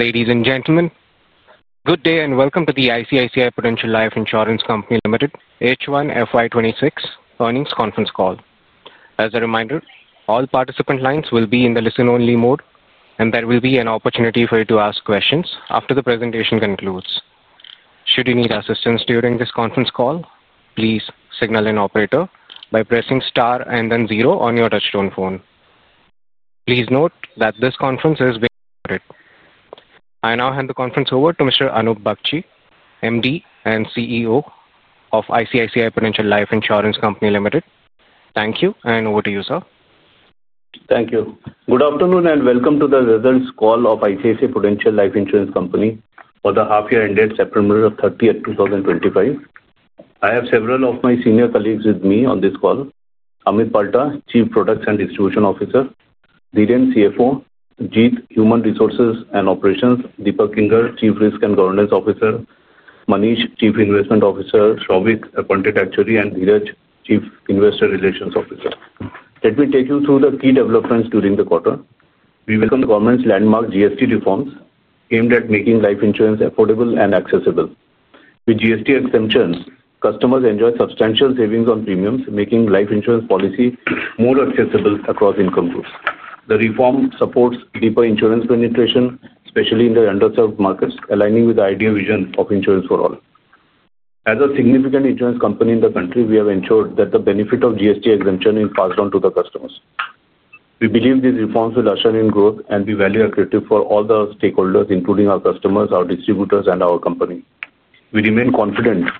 Ladies and gentlemen, good day and welcome to the ICICI Prudential Life Insurance Company Limited H1FY26 earnings conference call. As a reminder, all participant lines will be in the listen only mode and there will be an opportunity for you to ask questions after the presentation concludes. Should you need assistance during this conference call, please signal an operator by pressing STAR and then zero on your touch tone phone. Please note that this conference is being recorded. I now hand the conference over to Mr. Anup Bagchi, MD and CEO of ICICI Prudential Life Insurance Company Limited. Thank you. Over to you, sir. Thank you. Good afternoon and welcome to the results call of ICICI Prudential Life Insurance Company Limited for the half year ended September 30, 2025. I have several of my senior colleagues with me on this call. Amit Palta, Chief Products and Distribution Officer, Dhiren Salian, CFO, Jitendra Arora, Human Resources and Operations, Deepak Kinger, Chief Risk and Governance Officer, Manish Kumar, Chief Investment Officer, Souvik Jash, Appointed Actuary, and Dheeraj Chugha, Chief Investor Relations Officer. Let me take you through the key developments during the quarter. We welcome the Government's landmark GST reforms aimed at making life insurance affordable and accessible. With GST exemption, customers enjoy substantial savings on premiums, making life insurance policy more accessible across income groups. The reform supports deeper insurance penetration, especially in the underserved markets, aligning with the ideal vision of insurance for all. As a significant insurance company in the country, we have ensured that the benefit of GST exemption is passed on to the customers. We believe these reforms will usher in growth and be value accretive for all the stakeholders including our customers, our distributors, and our company. We remain confident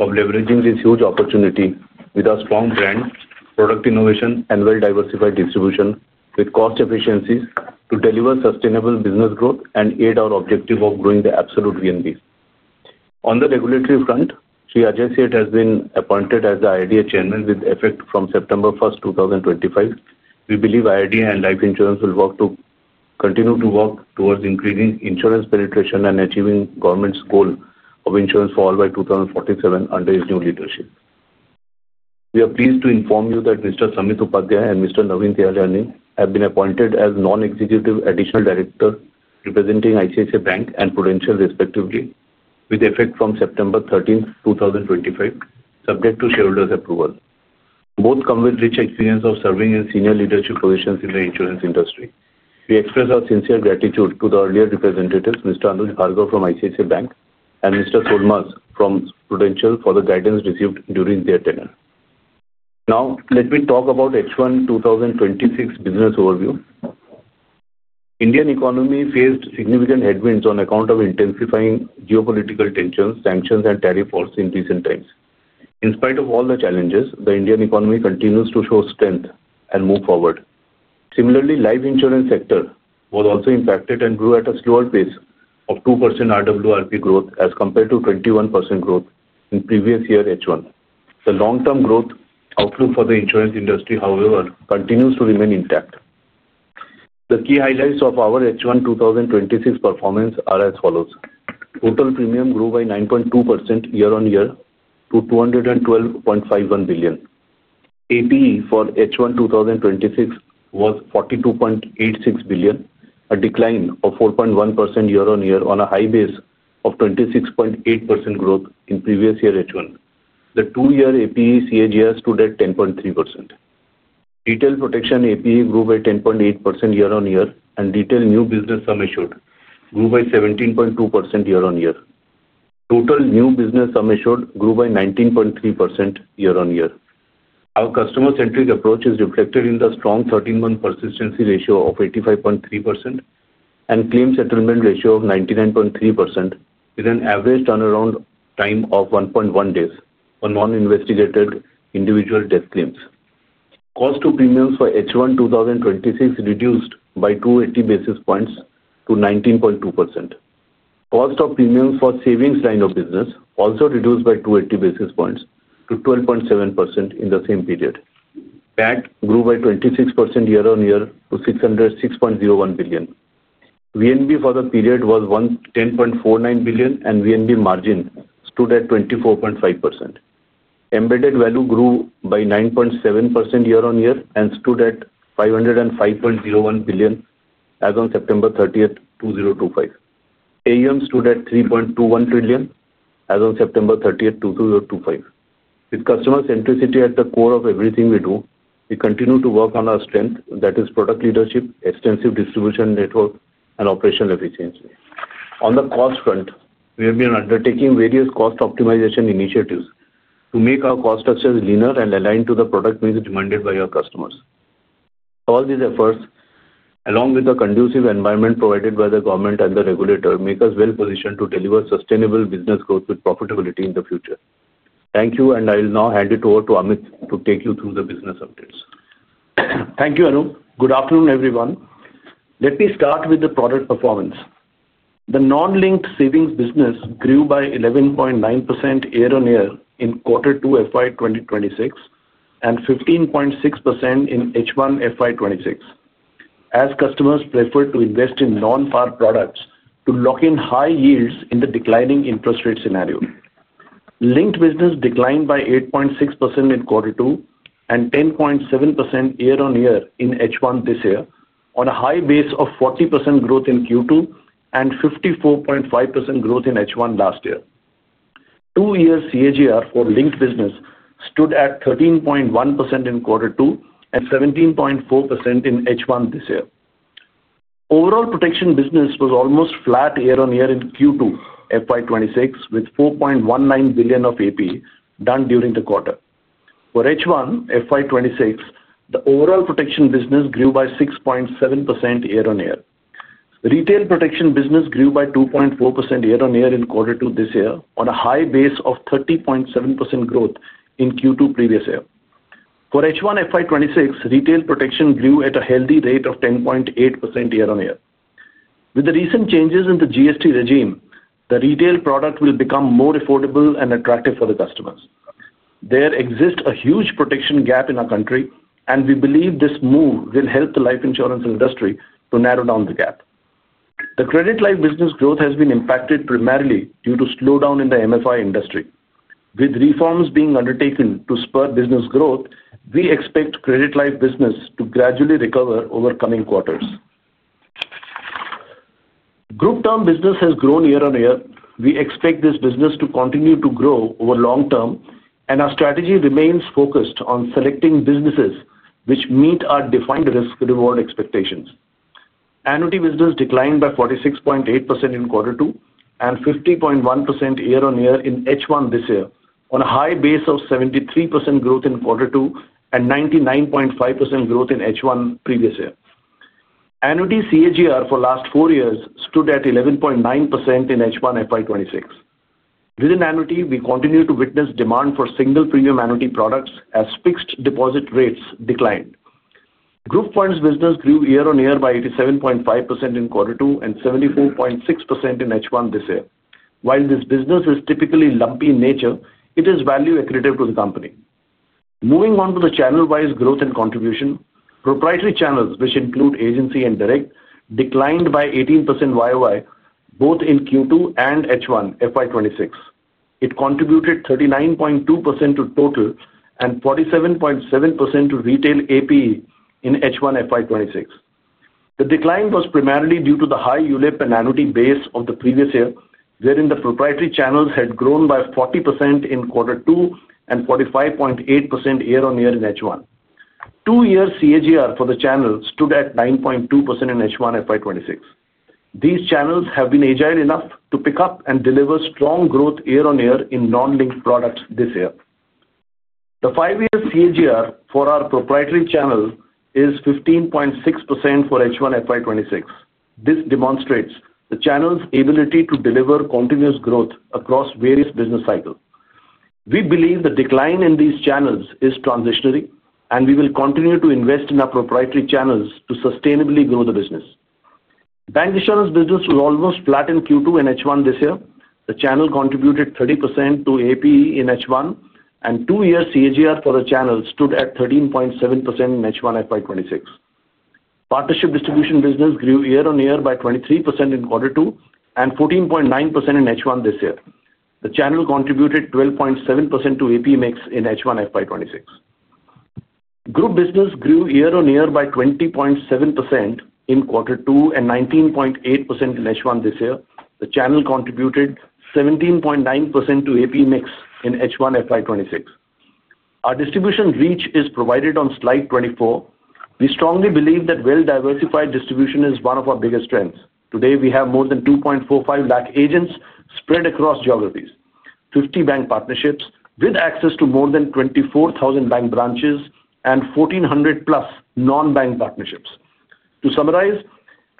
of leveraging this huge opportunity with our strong brand, product innovation, and well-diversified distribution with cost efficiencies to deliver sustainable business growth and aid our objective of growing the absolute VNB. On the regulatory front, Shri Ajay Seth has been appointed as the IRDAI Chairman with effect from 09-01-2025. We believe IRDAI and life insurance will continue to work towards increasing insurance penetration and achieving Government's goal of insurance for all by 2047 under his new leadership. We are pleased to inform you that Mr. Samit Upadhya and Mr. Navin Tiyajani have been appointed as Non-Executive Additional Directors representing ICICI Bank Limited and Prudential respectively with effect from September 13, 2025, subject to shareholders' approval. Both come with rich experience of serving in senior leadership positions in the insurance industry. We express our sincere gratitude to the earlier representatives, Mr. Anuj Bhargav from ICICI Bank Limited and Mr. Solmaz Altin from Prudential for the guidance received during their tenure. Now let me talk about H1 2026 Business Overview. Indian economy faced significant headwinds on account of intensifying geopolitical tensions, sanctions, and tariff policy in recent times. In spite of all the challenges, the Indian economy continues to show strength and move forward. Similarly, the life insurance sector was also impacted and grew at a slower pace of 2% RWRP growth as compared to 21% growth in the previous year. H1 the long-term growth outlook for the insurance industry, however, continues to remain intact. The key highlights of our H1 2026 performance are as follows. Total premium grew by 9.2% year on year to 212.51 billion. APE for H1 2026 was 42.86 billion and a decline of 4.1% year on year on a high base of 26.8% growth in the previous year. H1 the two-year APE CAGR stood at 10.3%. Detailed Protection APE grew by 10.8% year on year and detailed new business sum issued grew by 17.2% year on year. Total new business sum issued grew by 19.3% year on year. Our customer-centric approach is reflected in the strong 13-month persistency ratio of 85.3% and claim settlement ratio of 99.3% with an average turnaround time of 1.1 days on non-investigated individual death claims. Cost to premiums for H1 2026 reduced by 280 basis points to 19.2%. Cost of premiums for the savings line of business also reduced by 280 basis points to 12.7% in the same period. Profit after tax grew by 26% year on year. Revenue of 6.01 billion. VNB for the period was 10.49 billion and VNB margin stood at 24.5%. Embedded value grew by 9.7% year on year and stood at 505.01 billion as on September 30, 2025. AUM stood at 3.21 trillion as on September 30, 2025. With customer centricity at the core of everything we do, we continue to work on our strength that is product leadership, extensive distribution network, and operational efficiency. On the cost front, we have been undertaking various cost optimization initiatives to make our cost structures leaner and aligned to the product needs demanded by our customers. All these efforts, along with the conducive environment provided by the government and the regulator, make us well positioned to deliver sustainable business growth with profitability in the future. Thank you and I'll now hand it over to Amit to take you through the business updates. Thank you, Anu. Good afternoon everyone. Let me start with the product performance. The non-linked savings business grew by 11.9% year on year in quarter two FY 2026 and 15.6% in H1 FY26 as customers prefer to invest in non-par products to lock in high yields in the declining interest rate scenario. Linked business declined by 8.6% in quarter two and 10.7% year on year in H1 this year on a high base of 40% growth in Q2 and 54.5% growth in H1 last year. Two year CAGR for linked business stood at 13.1% in quarter two and 17.4% in H1 this year. Overall protection business was almost flat year on year in Q2 FY26 with 4.19 billion of APE done during the quarter. For H1 FY26 the overall protection business grew by 6.7% year on year. The retail protection business grew by 2.4% year on year in quarter two this year on a high base of 30.7% growth in Q2 previous year. For H1 FY26, retail protection grew at a healthy rate of 10.8% year on year. With the recent changes in the GST regime, the retail product will become more affordable and attractive for the customers. There exists a huge protection gap in our country and we believe this move will help the life insurance industry to narrow down the gap. The credit life business growth has been impacted primarily due to slowdown in the MFI industry. With reforms being undertaken to spur business growth, we expect credit life business to gradually recover over coming quarters. Group term business has grown year on year. We expect this business to continue to grow over long term and our strategy remains focused on selecting businesses which meet our defined risk reward expectations. Annuity business declined by 46.8% in quarter two and 50.1% year on year in H1 this year on a high base of 73% growth in quarter two and 99.5% growth in H1 previous year. Annuity CAGR for last four years stood at 11.9% in H1 FY26. Within annuity we continue to witness demand for single premium annuity products as fixed deposit rates declined. GroupPoint's business grew year on year by 87.5% in quarter two and 74.6% in H1 this year. While this business is typically lumpy in nature, it is value accretive to the company. Moving on to the channel wise growth and contribution, proprietary channels which include agency and direct declined by 18% year on year both in Q2 and H1 FY26. It contributed 39.2% to total and 47.7% to retail APE in H1 FY26. The decline was primarily due to the high unit-linked and annuity base of the previous year wherein the proprietary channels had grown by 40% in quarter two and 45.8% year on year in H1. Two year CAGR for the channel stood at 9.2% in H1 FY26. These channels have been agile enough to pick up and deliver strong growth year on year in non-linked products. This year the 5-year CAGR for. Our proprietary channel is 15.6% for H1FY26. This demonstrates the channel's ability to deliver continuous growth across various business cycles. We believe the decline in these channels is transitionary, and we will continue to invest in our proprietary channels to sustainably grow the business. Bancassurance business was almost flat in Q2 and H1 this year. The channel contributed 30% to APE in H1, and 2-year CAGR for the channel stood at 13.7% in H1FY26. Partnership distribution business grew year on year by 23% in Q2 and 14.9% in H1. This year, the channel contributed 12.7% to APE mix in H1FY26. Group business grew year on year by 20.7% in Q2 and 19.8% in H1. This year, the channel contributed 17.9% to APE mix in H1FY26. Our distribution reach is provided on slide 24. We strongly believe that well-diversified distribution is one of our biggest strengths. Today we have more than 245,000 agents spread across geographies, 50 bank partnerships with access to more than 24,000 bank branches, and 1,400 plus non-bank partnerships. To summarize,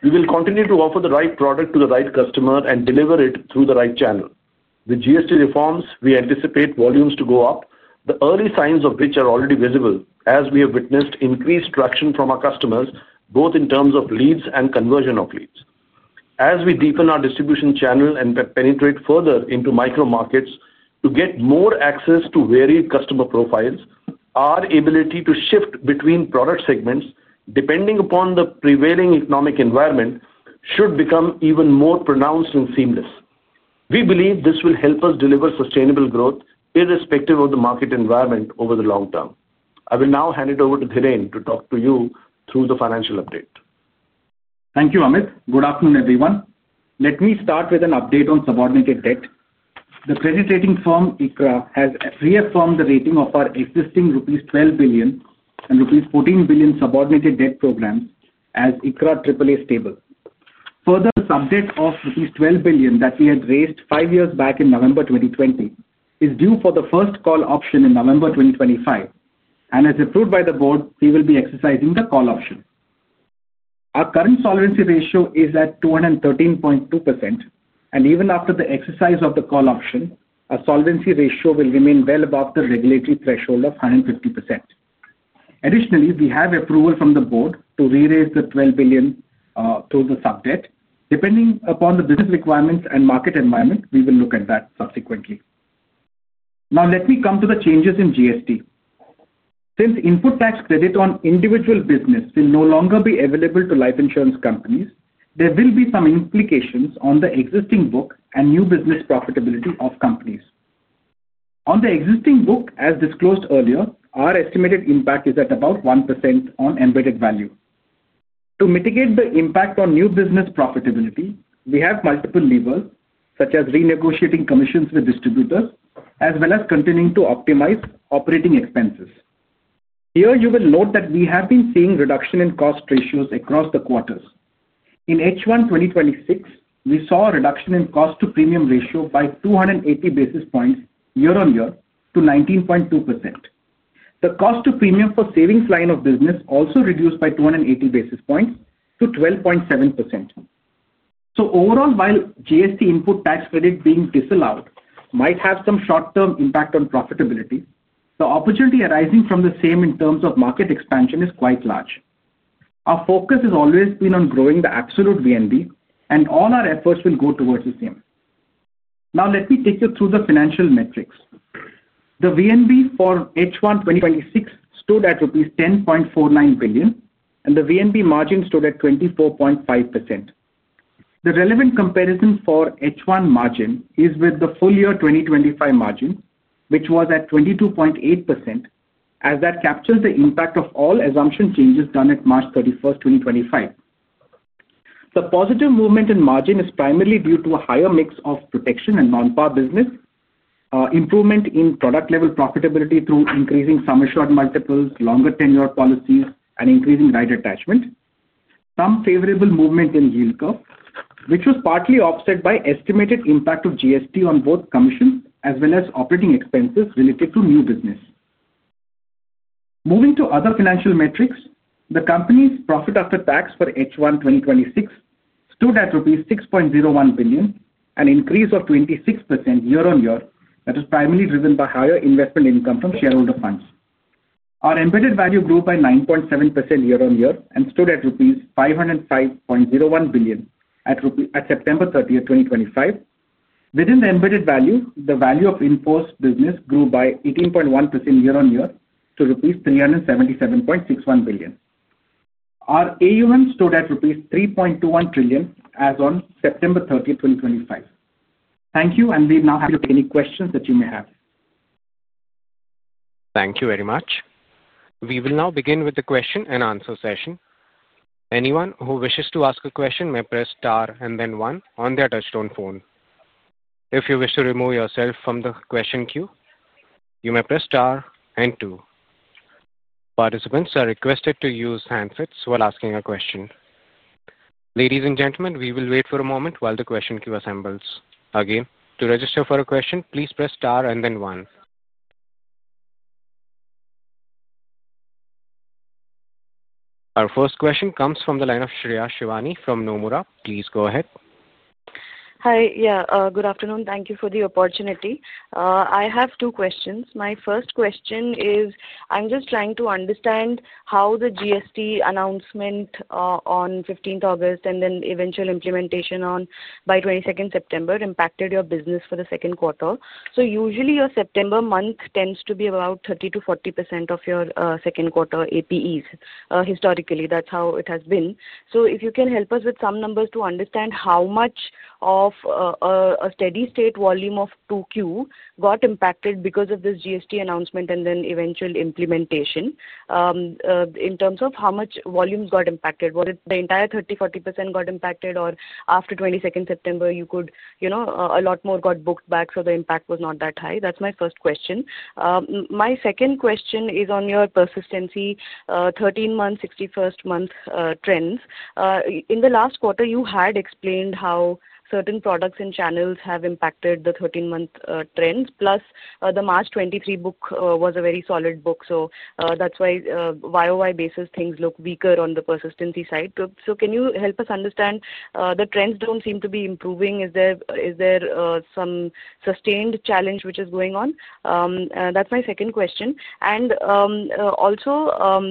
we will continue to offer the right product to the right customer and deliver it through the right channel. With GST reforms, we anticipate volumes to go up, the early signs of which are already visible as we have witnessed increased traction from our customers both in terms of leads and conversion of leads. As we deepen our distribution channel and penetrate further into micro markets to get more access to varied customer profiles, our ability to shift between product segments depending upon the prevailing economic environment should become even more pronounced and seamless. We believe this will help us deliver sustainable growth irrespective of the market environment. Over the long term. I will now hand it over to Dhiren to talk you through the financial update. Thank you, Amit. Good afternoon, everyone. Let me start with an update on subordinated debt. The credit rating firm ICRA has reaffirmed the rating of our existing rupees 12 billion and rupees 14 billion subordinated debt programs as ICRA AAA stable. Further, sub debt of rupees 12 billion that we had raised five years back in November 2020 is due for the first call option in November 2025, and as approved by the Board, we will be exercising the call option. Our current solvency ratio is at 213.2%, and even after the exercise of the call option, our solvency ratio will remain well above the regulatory threshold of 150%. Additionally, we have approval from the Board to re-raise the 12 billion of the sub debt depending upon the business requirements and market environment. We will look at that subsequently. Now let me come to the changes in GST. Since input tax credit on individual business will no longer be available to life insurance companies, there will be some implications on the existing book and new business profitability of companies. On the existing book, as disclosed earlier, our estimated impact is at about 1% on embedded value. To mitigate the impact on new business profitability, we have multiple levers such as renegotiating commissions with distributors as well as continuing to optimize operating expenses. Here, you will note that we have been seeing reduction in cost ratios across the quarters. In H1 2026, we saw a reduction in cost-to-premium ratio by 280 basis points year on year to 19.2%. The cost-to-premium for savings line of business also reduced by 280 basis points to 12.7%. Overall, while GST input tax credit being disallowed might have some short-term impact on profitability, the opportunity arising from the same in terms of market expansion is quite large. Our focus has always been on growing the absolute VNB, and all our efforts will go towards the same. Now let me take you through the financial metrics. The VNB for H1 2026 stood at rupees 10.49 billion, and the VNB margin stood at 24.5%. The relevant comparison for H1 margin is with the full year 2025 margin, which was at 22.8%, as that captures the impact of all assumption changes done at 3-31-2025. The positive movement in margin is primarily due to a higher mix of protection and non-par business, improvement in product level profitability through increasing sum assured multiples, longer tenure policies, and increasing right attachment. Some favorable movement in yield curve, which was partly offset by estimated impact of GST on both commissions and as well as operating expenses related to new business. Moving to other financial metrics, the company's profit after tax for H1 2026 stood at 6.01 billion, an increase of 26% year on year that is primarily driven by higher investment income from shareholder funds. Our embedded value grew by 9.7% year on year and stood at rupees 505.01 billion at September 30, 2025. Within the embedded value, the value of inforce business grew by 18.1% year on year to rupees 377.61 billion. Our AUM stood at rupees 3.21 trillion as on 09-30-2025. Thank you, and we're now happy to take any questions that you may have. Thank you very much. We will now begin with the question and answer session. Anyone who wishes to ask a question may press STAR and then one on their Touchstone phone. If you wish to remove yourself from the question queue, you may press STAR and two. Participants are requested to use handsets while asking a question. Ladies and gentlemen, we will wait for a moment while the question queue assembles again. To register for a question, please press STAR and then one. Our first question comes from the line of Shreya Shivani from Nomura. Please go ahead. Hi, yeah, good afternoon. Thank you for the opportunity. I have two questions. My first question is I'm just trying to understand how the GST announcement on the 15th of August and then eventual implementation by the 22nd of September impacted your business for the second quarter. Usually your September month tends to be about 30% to 40% of your second quarter APEs. Historically that's how it has been. If you can help us with some numbers to understand how much of a steady state volume of 2Q got impacted because of this GST announcement and then eventual implementation in terms of how much volumes got impacted, the entire 30% to 40% got impacted or after the 22nd of September you could, you know, a lot more got booked back so the impact was not that high. That's my first question. My second question is on your persistency 13-month, 61st-month trends. In the last quarter you had explained how certain products and channels have impacted the 13-month trends plus the March 2023 book was a very solid book. That's why YoY basis things look weaker on the persistency side. Can you help us understand the trends don't seem to be improving. Is there some sustained challenge which is going on? That's my second question. Also,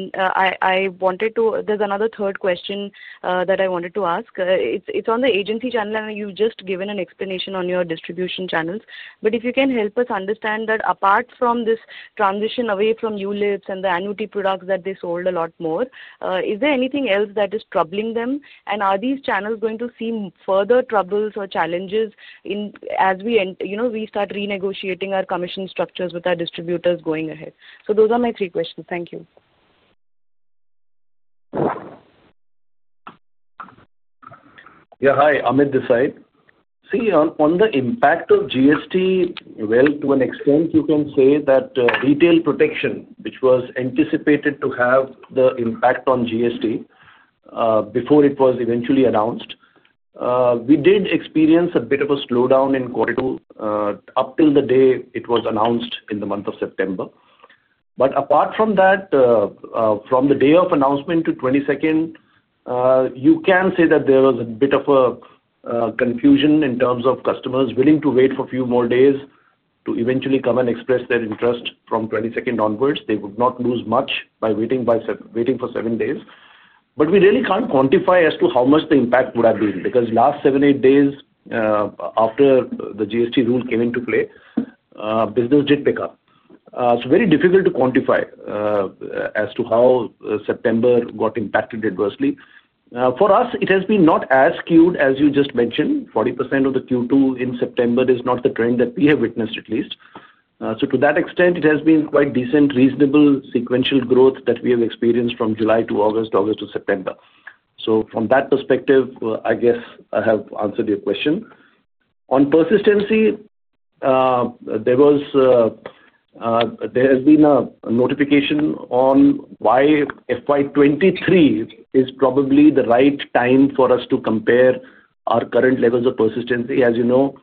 there's another third question that I wanted to ask. It's on the agency channel and you just given an explanation on your distribution. If you can help us understand that apart from this transition away from unit-linked insurance plans and the annuity products that they sold a lot more, is there anything else that is troubling them and are these channels going to see further troubles or challenges as we start renegotiating our commission structures with our distributors going ahead? Those are my three questions. Thank you. Yeah. Hi Amit Palta. See on the impact. Of GST, to an extent, you. Can say that retail protection which was anticipated to have the impact on GST before it was eventually announced, we did experience a bit of a slowdown in quarter two up till the day it was announced in the month of September. Apart from that, from the day of announcement to 22nd you can say. There was a bit of a. Confusion in terms of customers willing to wait for a few more days to eventually come and express their interest. From the 22nd onwards, they would not lose much by waiting for seven days. We really can't quantify as to. How much the impact would have been. Because last seven, eight days after the GST rule came into play, business did pick up. It's very difficult to quantify as to how September got impacted adversely for us. It has been not as skewed as. You just mentioned, 40% of the Q2 in September is not the trend that we have witnessed at least. To that extent, it has been quite decent, reasonable sequential growth that we have experienced from July to August, August to September. From that perspective, I guess I have answered your question on persistency. There has been a notification on why FY2023 is probably the right time for us to compare our current levels of persistency. As you know,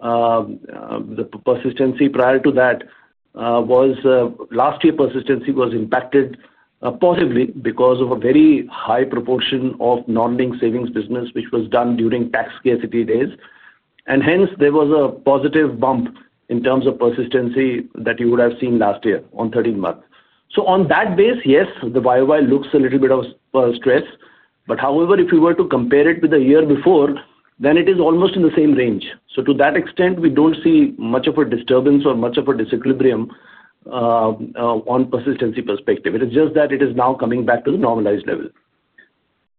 the persistency prior to that was last year. Persistency was impacted possibly because of a very high proportion of non-linked savings business which was done during tax scarcity days, and hence there was a positive bump in terms of persistency that you would have seen last year on the 13th of March. On that base, yes, the YoY. Looks a little bit of stress. However, if you were to compare. it with the year before, then it is almost in the same range. To that extent, we don't see much of a disturbance or much of a disequilibrium on a persistency perspective. It is just that it is now coming back to the normalized level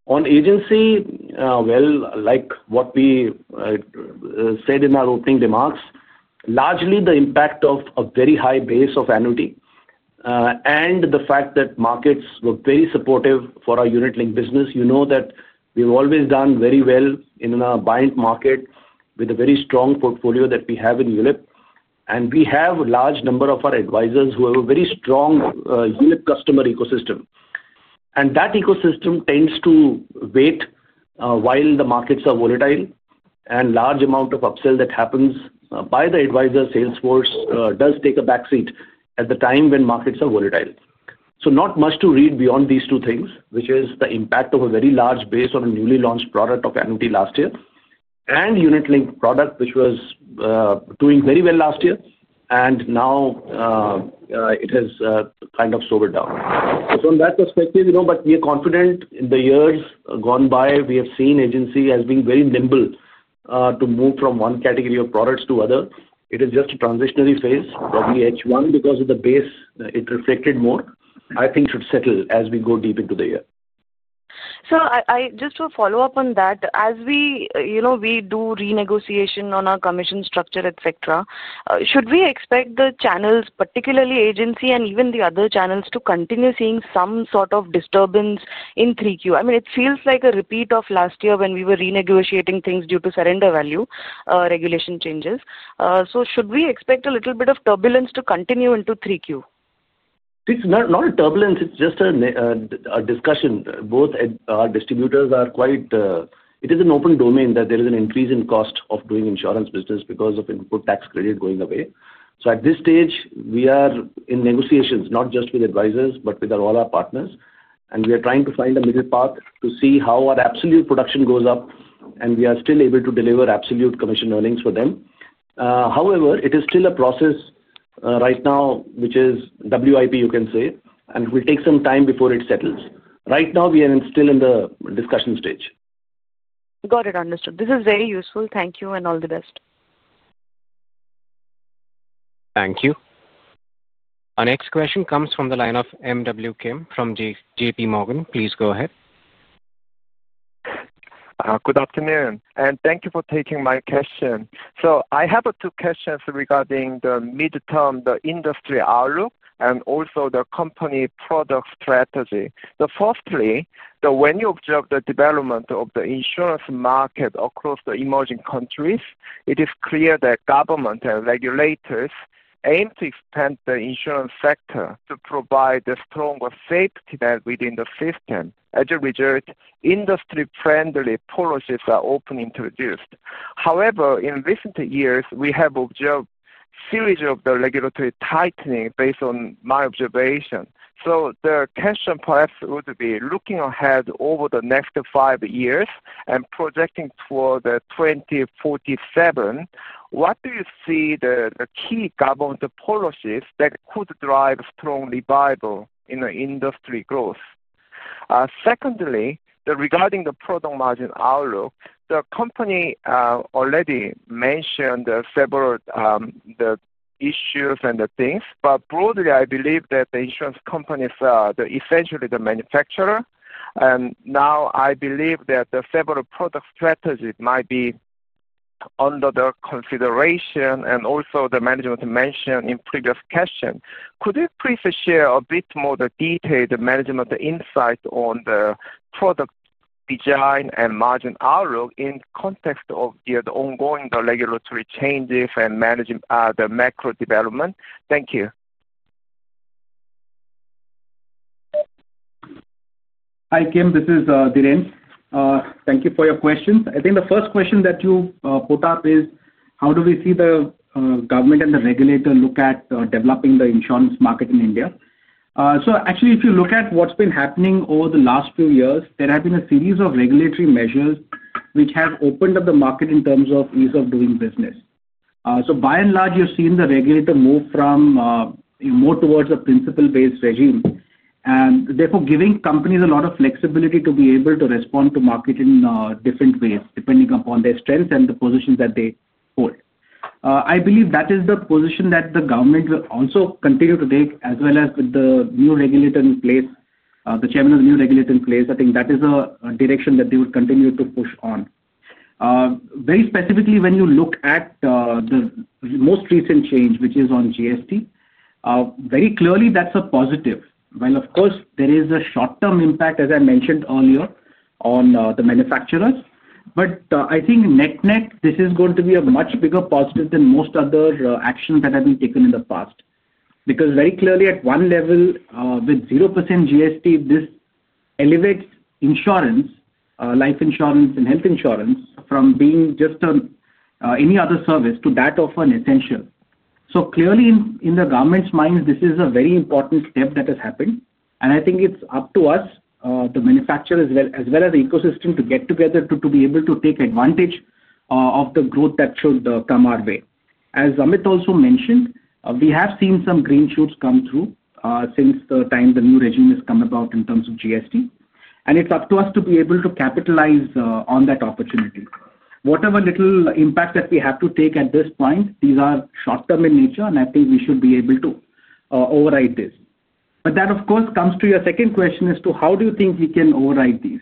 on agency. Like what we said in our opening remarks, largely the impact of a very high base of annuity and the fact that markets were very supportive for our unit-linked business. You know that we've always done very well in a bind market with a very strong portfolio that we have in Europe, and we have a large number of our advisors who have a very strong customer ecosystem, and that ecosystem tends to wait while the markets are volatile. A large amount of upsell that happens by the advisor sales force does take a back seat at the time when markets are volatile. Not much to read beyond these two things, which is the impact of a very large base on a newly launched product of annuity last year and unit-linked product which was doing very well last year, and now it has kind. It slowed down from that perspective, but we are confident in the years. Gone by, we have seen agency as being very nimble to move from one category of products to other. It is just a transitionary phase, probably. H1 because of the base it reflected. More, I think, should settle as we go deep into the year. Just to follow up on that, as we do renegotiation on our commission structure, etc., should we expect the channels, particularly agency and even the other channels, to continue seeing some sort of disturbance in 3Q? It feels like a repeat of last year when we were renegotiating things due to surrender value regulation changes. Should we expect a little bit of turbulence to continue into 3Q? It's not a turbulence, it's just a discussion. Both our distributors are quite, it is an open domain that there is an increase in cost of doing insurance business because of input tax credit going away. At this stage we are in negotiations not just with advisors but with all our partners and we are trying. To find a middle path to see. How our absolute production goes up. We are still able to deliver absolute. Commission earnings for them. However, it is still a process right now, which is WIP, you can say. It will take some time before it settles. Right now, we are still in the discussion stage. Got it? Understood. This is very useful. Thank you and all the best. Thank you. Our next question comes from the line of MW Kim from J.P. Morgan. Please go ahead. Good afternoon and thank you for taking my question. I have two questions regarding the midterm, the industry outlook, and also the company product strategy. Firstly, when you observe the development of the insurance market across the emerging countries, it is clear that government and regulators aim to expand the insurance sector to provide a stronger safety net within the system. As a result, industry-friendly policies are often introduced. However, in recent years we have observed a series of regulatory tightening based on my observation. The tension perhaps would be looking ahead over the next five years and projecting toward 2047. What do you see as the key government policies that could drive strong revival in the industry growth? Secondly, regarding the product margin outlook, the company already mentioned several issues and things, but broadly I believe that the insurance companies are essentially the manufacturer and now I believe that several product strategies might be under consideration and also the management mentioned in the previous question. Could you please share a bit more detailed management insight on the product design and margin outlook in the context of the ongoing regulatory changes and managing the macro development? Thank you. Hi Kim, this is Dhiren. Thank you for your questions. I think the first question that you put up is how do we see the government and the regulator look at developing the insurance market in India? If you look at what's been happening over the last few years, there have been a series of regulatory measures which have opened up the market in terms of ease of doing business. By and large, you've seen the regulator move more towards a principle-based regime and therefore giving companies a lot of flexibility to be able to respond to market in different ways depending upon their strengths and the positions that they hold. I believe that is the position that the government will also continue to take as well as with the new regulatory leadership, the Chairman of the new regulator in place, I think that is a direction that they would continue to push on. Very specifically, when you look at the most recent change which is on GST, very clearly that's a positive. Of course, there is a short-term impact as I mentioned earlier on the manufacturers, but I think net net this is going to be a much bigger positive than most other actions that have been taken in the past. Because very clearly at one level with 0% GST, this elevates insurance, life insurance and health insurance from being just any other service to that of an essential. Clearly, in the government's mind this is a very important step that has happened and I think it's up to us to manufacture as well as ecosystem to get together to be able to take advantage of the growth that should come our way. As Amit also mentioned, we have seen some green shoots come through since the time the new regime has come about in terms of GST and it's up to us to be able to capitalize on that opportunity. Whatever little impact that we have to take at this point, these are short term in nature and I think we should be able to override this. That of course comes to your second question as to how do you think we can override these?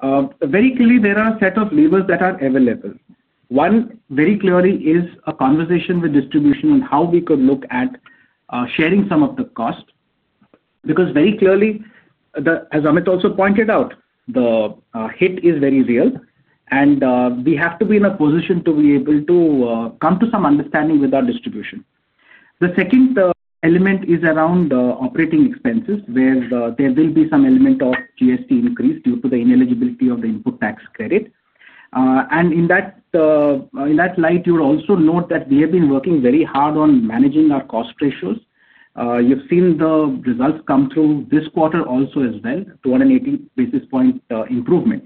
Very clearly there are set of levers that are available. One very clearly is a conversation with distribution on how we could look at sharing some of the cost. Very clearly, as Amit also pointed out, the hit is very real and we have to be in a position to be able to come to some understanding with our distribution. The second element is around operating expenses where there will be some element of GST increase due to the ineligibility of the input tax credit. In that light, you will also note that we have been working very hard on managing our cost ratios. You've seen the results come through this quarter also as well, 280 basis point improvement.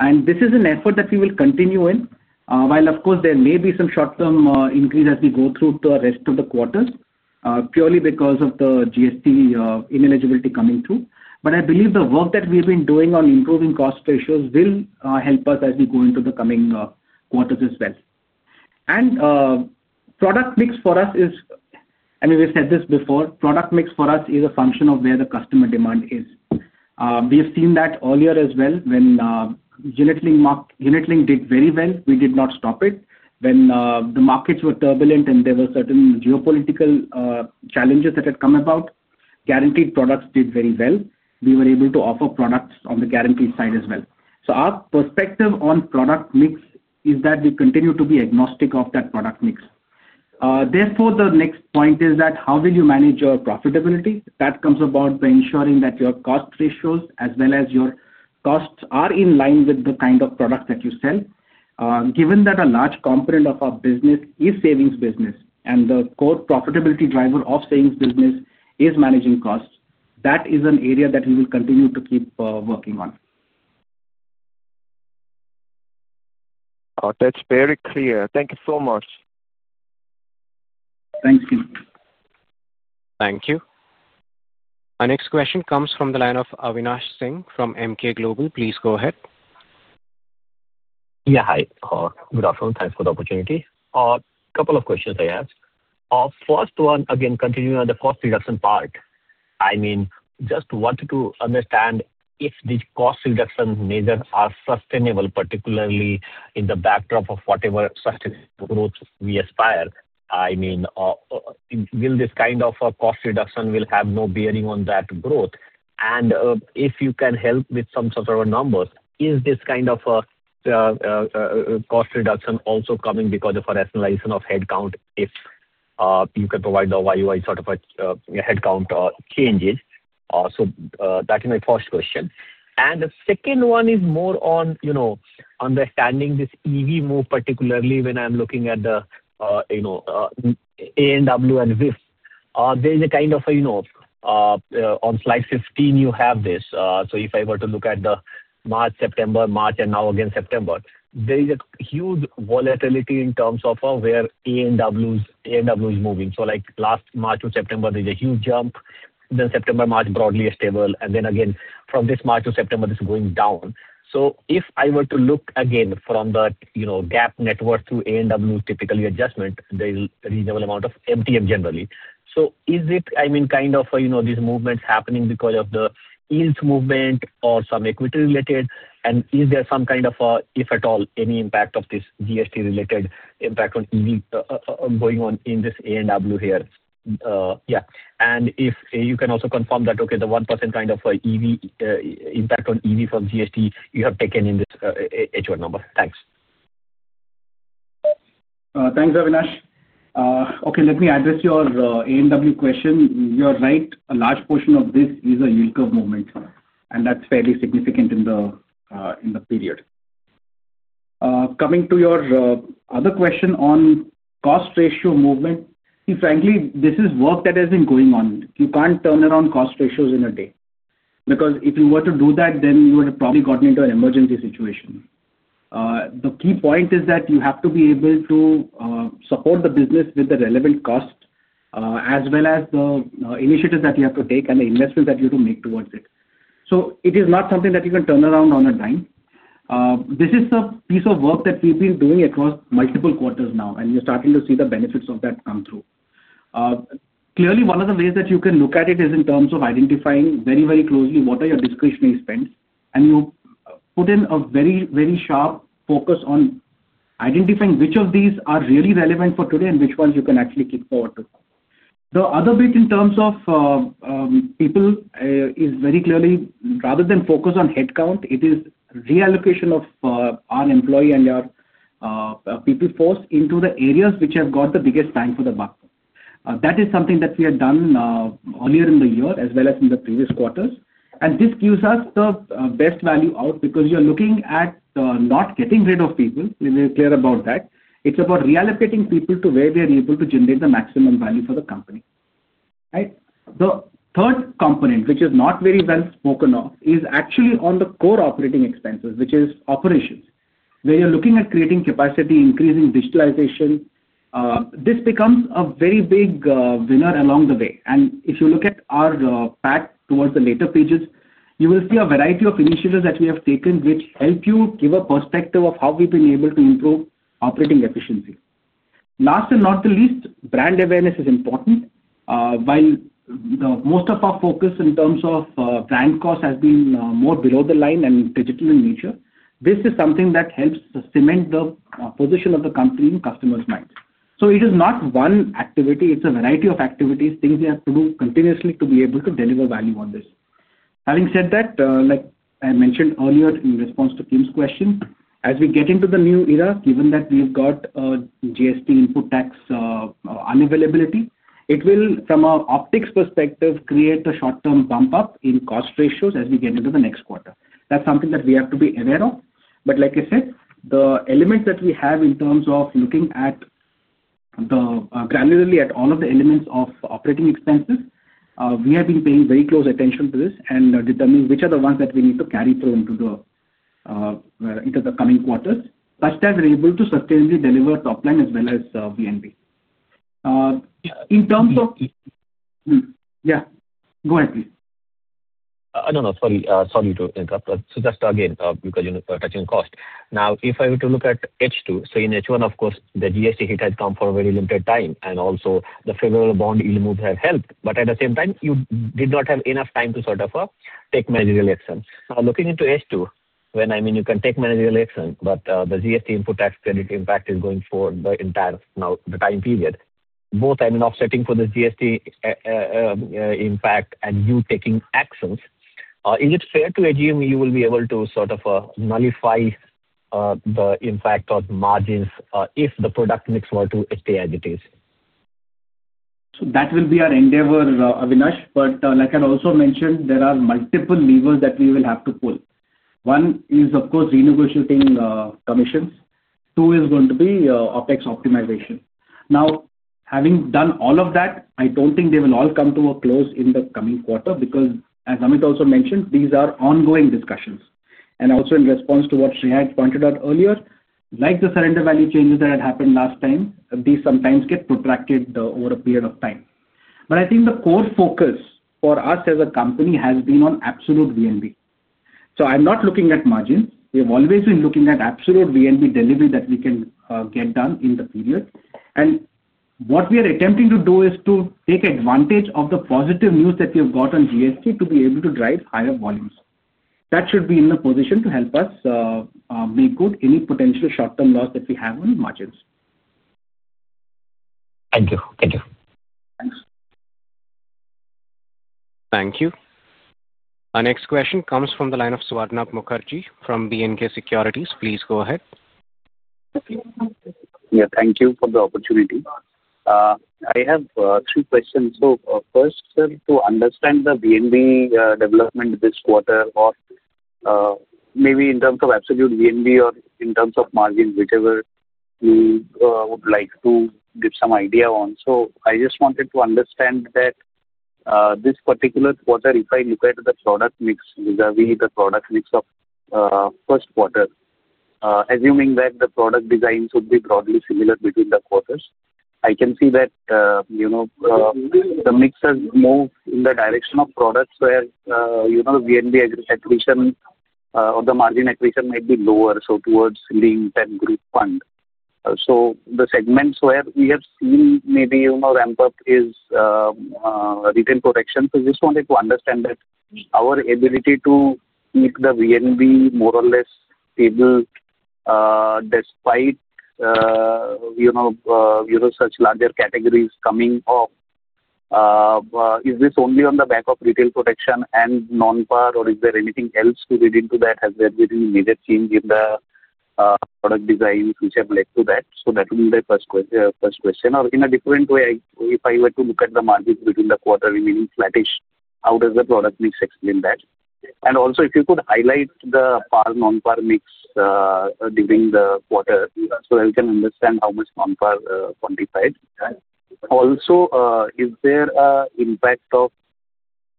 This is an effort that we will continue in. Of course there may be some short term increase as we go through the rest of the quarters purely because of the GST ineligibility coming through. I believe the work that we've been doing on improving cost ratios will help us as we go into the coming quarters as well. Product mix for us is, I mean, we've said this before, product mix for us is a function of where the customer demand is. We have seen that earlier as well. When unit-linked did very well, we did not stop it. When the markets were turbulent and there were certain geopolitical challenges that had come about, guaranteed products did very well. We were able to offer products on the guaranteed side as well. Our perspective on product mix is that we continue to be agnostic of that product mix. Therefore, the next point is that how will you manage your profitability? That comes about by ensuring that your cost ratios as well as your costs are in line with the kind of product that you sell. Given that a large component of our business is savings business and the core profitability driver of savings business is managing costs, that is an area that we will continue to keep working on. That's very clear. Thank you so much. Thanks. Thank you. Our next question comes from the line of Avinash Singh from MK Global. Please go ahead. Yeah, hi, good afternoon. Thanks for the opportunity. Couple of questions I asked. First one, again, continuing on the cost reduction part. I mean, just wanted to understand if these cost reduction measures are sustainable, particularly in the backdrop of whatever sustainable growth we aspire. I mean, will this kind of cost reduction have no bearing on that growth? If you can help with some sort of numbers, is this kind of a cost reduction also coming because of a rationalization of headcount? If you can provide the YoY sort. Of headcount changes. That is my first question. The second one is more on understanding this EV move. Particularly when I'm looking at the A and W, there is a kind of, on slide 15 you have this. If I were to look at the March, September, March and now again September, there is a huge volatility in terms of where A and W is moving. Like last March to September, there's a huge jump, then September, March, broadly stable, and then again from this March to September this is going down. If I were to look again from the gap network through A and W typically adjustment, the reasonable amount of MTM generally. Is it, I mean, these movements happening because of the yield movement or some equity related, and is there some kind of, if at all, any impact of this GST related impact ongoing in this A and W here? If you can also confirm that the 1% kind of EV impact on EV from GST, you have taken in this H1 number. Thanks. Thanks, Avnish. Okay, let me address your A and W question. You're right, a large portion of this is a yield curve movement, and that's fairly significant in the period. Coming to your other question on cost ratio movement, frankly, this is work that has been going on. You can't turn around cost ratios in a day because if you were to do that, then you would have probably gotten into an emergency situation. The key point is that you have to be able to support the business with the relevant cost as well as the initiatives that you have to take and the investments that you make towards it. It is not something that you can turn around on a dime. This is a piece of work that we've been doing across multiple quarters now, and you're starting to see the benefits of that come through clearly. One of the ways that you can look at it is in terms of identifying very, very closely what are your discretionary spends, and you put in a very, very sharp focus on identifying which of these are really relevant for today and which ones you can actually kick forward to. The other bit in terms of people is very clearly, rather than focus on headcount, it is reallocation of our employee and our people force into the areas which have got the biggest bang for the buck. That is something that we had done earlier in the year as well as in the previous quarters. This gives us the best value out because you are looking at not getting rid of people. We made clear about that. It's about reallocating people to where they are able to generate the maximum value for the company. The third component, which is not very well spoken of, is actually on the core operating expenses, which is operations where you're looking at creating capacity, increasing digitalization. This becomes a very big winner along the way. If you look at our path towards the later pages, you will see a variety of initiatives that we have taken which help you give a perspective of how we've been able to improve operating efficiency. Last and not the least, brand awareness is important. While most of our focus in terms of brand cost has been more below the line and digital in nature, this is something that helps cement the position of the company in customers' minds. It is not one activity, it's a variety of activities, things you have to do continuously to be able to deliver value on this. Having said that, like I mentioned earlier in response to Kim's question, as we get into the new era, given that we've got GST input tax unavailability, it will from an optics perspective create a short-term bump up in cost ratios as we get into the next quarter. That's something that we have to be aware of. Like I said, the element that we have in terms of looking granularly at all of the elements of operating expenses, we have been paying very close attention to this and determining which are the ones that we need to carry through into the coming quarters such that they're able to sustainably deliver top line as well as VNB. Yeah, go ahead please. Sorry to interrupt, so just again because you know, touching cost now if I were to look at H2. In H1, of course the GST hit has come for a very limited time and also the favorable bond yield have helped but at the same time you did not have enough time to sort of take measure elections. Looking into H2, when I mean you can take managerial action but the GST input tax credit impact is going forward the entire time period both, I mean offsetting for the GST impact and you taking actions. Is it fair to assume you will be able to sort of nullify the impact of margins if the product mix were to stay as it is. That will be our endeavor, Avnish. Like I also mentioned, there are multiple levers that we will have to pull. One is of course renegotiating commissions. Two is going to be OPEX optimization. Having done all of that, I don't think they will all come to a close in the coming quarter because as Amit also mentioned, these are ongoing discussions and also in response to what Shihad pointed out earlier, like the surrender value changes that had happened last time. These sometimes get protracted over a period of time. I think the core focus for us as a company has been on absolute VNB. I'm not looking at margins. We have always been looking at absolute VNB delivery that we can get done in the period. What we are attempting to do is to take advantage of the positive news that we have got on GST to be able to drive higher volume. That should be in a position to help us make good any potential short-term loss that we have on margins. Thank you. Thank you. Thank you. Our next question comes from the line of Swarnath Mukherjee from BNK Securities. Please go ahead. Thank you for the opportunity. I have three questions. First, to understand the VNB development this quarter or maybe in terms of absolute VNB or in terms of margin, whichever you would like to give some idea on. I just wanted to understand that this particular quarter, if I look at the product mix vis-à-vis the product mix of first quarter, assuming that the product design should be broadly similar between the quarters, I can see that the mix has moved in the direction of products where VNB acquisition or the margin acquisition might be lower, towards lean to group fund. The segments where we have seen maybe ramp up is retail protection. I just wanted to understand our ability to keep the VNB more or less stable despite such larger categories coming off. Is this only on the back of retail protection and non-par or is there anything else to read into that? Has there been any major change in the product designs which have led to that? That would be the first question or in a different way if I were to look at the market between the quarter remaining flattish. How does the product mix explain that? Also, if you could highlight the par non-par mix during the quarter so that we can understand how much non-par is quantified. Also, is there an impact of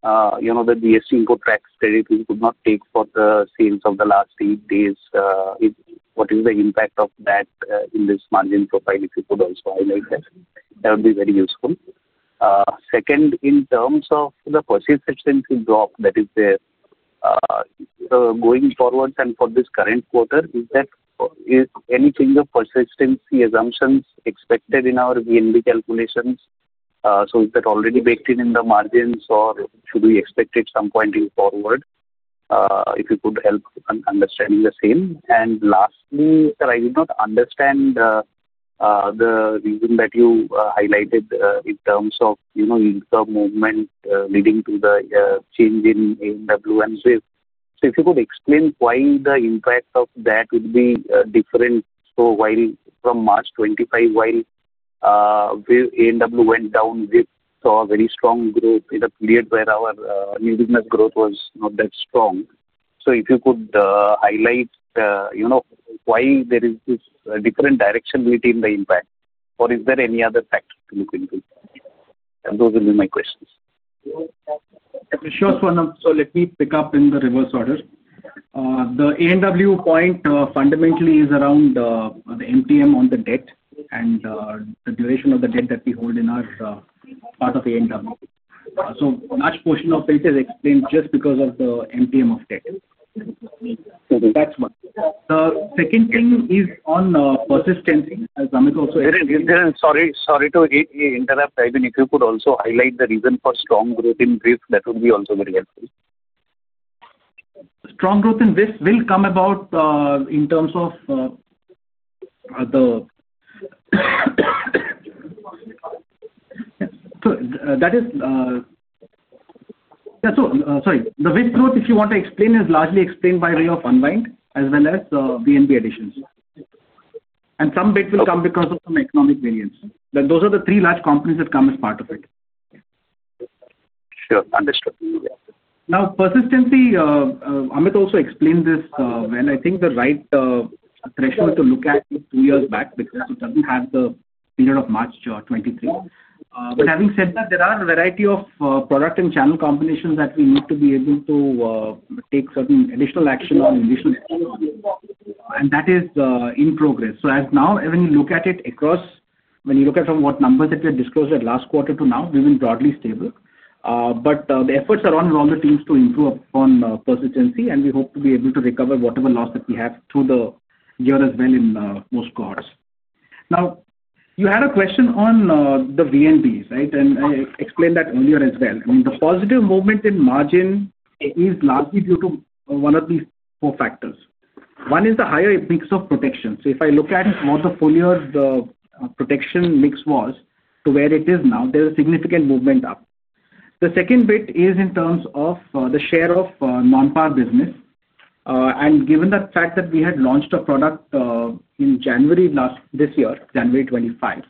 the GST input tax credit we could not take for the sales of the last eight days? What is the impact of that in this margin profile? If you could also highlight that, that would be very useful. Second, in terms of the persistency efficiency drop that is there going forward and for this current quarter, is there any change of persistency assumptions expected in our VNB calculations? Is that already baked in in the margins or should we expect at some point going forward? If you could help understanding the same. Lastly, I did not understand the reason that you highlighted in terms of income movement leading to the change in VNB, so if you could explain why the impact of that would be different. While from March 2025, while A and W went down, we saw a very strong growth in a period where our new business growth was not that strong. If you could highlight why there is this different direction within the impact or is there any other factor to look into, those will be my questions. Sure. Let me pick up in the reverse order. The A W point fundamentally is around the MTM on the debt and the duration of the debt that we hold in our part of A, so a large portion of it is explained just because of the MTM of debt. That's one. The second thing is on persistency as Amit also. Sorry to interrupt. If you could also highlight the reason for strong growth in brief, that would be also very good. Strong growth in this will come about in terms of the, that is, sorry, with growth if you want to explain, is largely explained by way of unwind as well as VNB additions, and some bit will come because of some economic variance. Those are the three large components that come as part of it. Sure understood. Now persistency. Amit also explained this when I think the right threshold to look at two years back because it doesn't have the period of March 23rd. Having said that, there are a variety of product and channel combinations that we need to be able to take certain additional action on and that is in progress. As now when you look at it across, when you look at from what numbers that we had disclosed at last quarter to now, we've been broadly stable, but the efforts are on all the teams to improve upon persistency and we hope to be able to recover whatever loss that we have through the year as well in most cohorts. You had a question on the VNB and I explained that earlier as well. The positive movement in margin is largely due to one of these four factors. One is the higher mix of protection. If I look at what the full year protection mix was to where it is now, there is a significant movement up. The second bit is in terms of the share of non-par business. Given the fact that we had launched a product in January last this year, January 2025,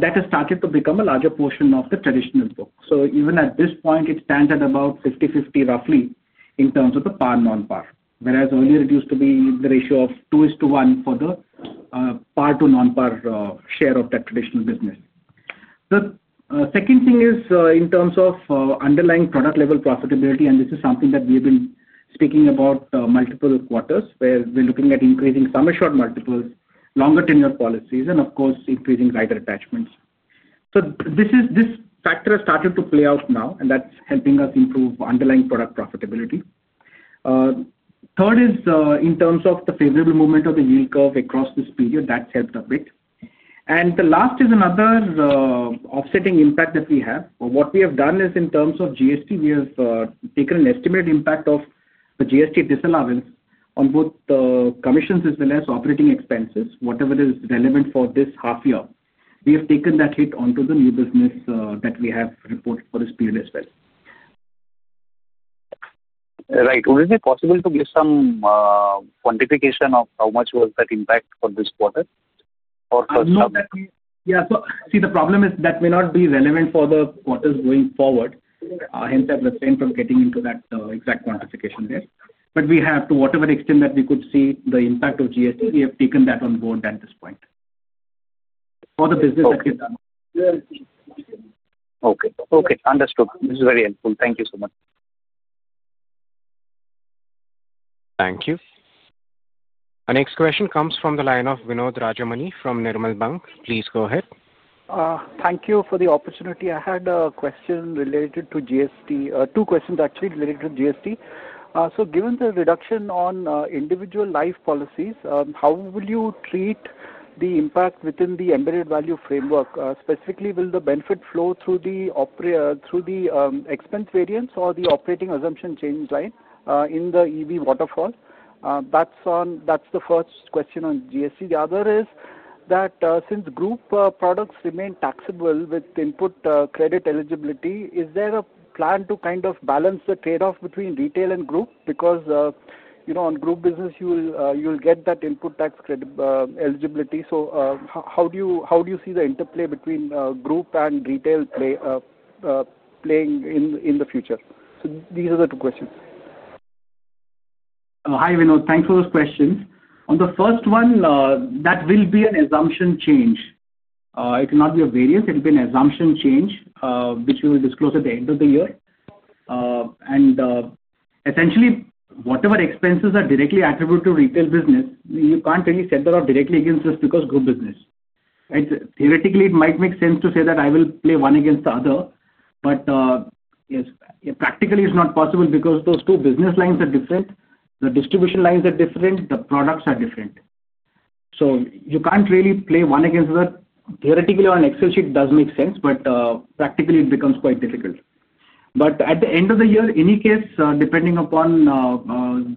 that has started to become a larger portion of the traditional book. Even at this point it stands at about 50:50 roughly in terms of the par, non-par, whereas earlier it used to be the ratio of two is to one for the par to non-par share of that traditional business. The second thing is in terms of underlying product level profitability and this is something that we have been speaking about multiple quarters where we're looking at increasing sum assured multiples, longer tenure policies and of course increasing rider attachments. This factor has started to play out now and that's helping us improve underlying product profitability. Third is in terms of the favorable movement of the yield curve across this period. That's helped a bit. The last is another offsetting impact that we have. What we have done is in terms of GST, we have taken an estimated impact of the GST disallowance on both commissions as well as operating expenses. Whatever is relevant for this half year, we have taken that hit onto the new business that we have reported for this period as well. Right. Would it be possible to give some quantification of how much was that impact for this quarter? Yeah, see the problem is that may not be relevant for the quarters going forward. Hence I've refrained from getting into that exact quantification there. We have to whatever extent that we could see the impact of GST, we have taken that on board at this point for the business. Okay, okay, understood. This is very helpful. Thank you so much. Thank you. Our next question comes from the line of Vinod Rajamani from Nirmal Bank. Please go ahead. Thank you for the opportunity. I had a question related to GST. Two questions actually related to GST. Given the reduction on individual life policies, how will you treat the impact within the embedded value framework? Specifically, will the benefit flow through the expense variance or the operating assumption change line in the EV waterfall? That's the first question on GST. The other is that since group products remain taxable with input credit eligibility, is there a plan to kind of balance the trade-off between retail and group? Because you know on group business you will get that input tax credit eligibility. How do you see the interplay between group and retail playing in the future? These are the two questions. Hi Vinod, thanks for those questions. On the first one, that will be an assumption change. It will not be a variance, it will be an assumption change which we will disclose at the end of the year. Essentially, whatever expenses are directly attributed to retail business, you can't really set that up directly against us because group business, theoretically it might make sense to say that I will play one against the other. Practically it's not possible because those two business lines are different. The distribution lines are different, the products are different. You can't really play one against that. Theoretically on Excel sheet it does make sense, but practically it becomes quite difficult. At the end of the year, in any case, depending upon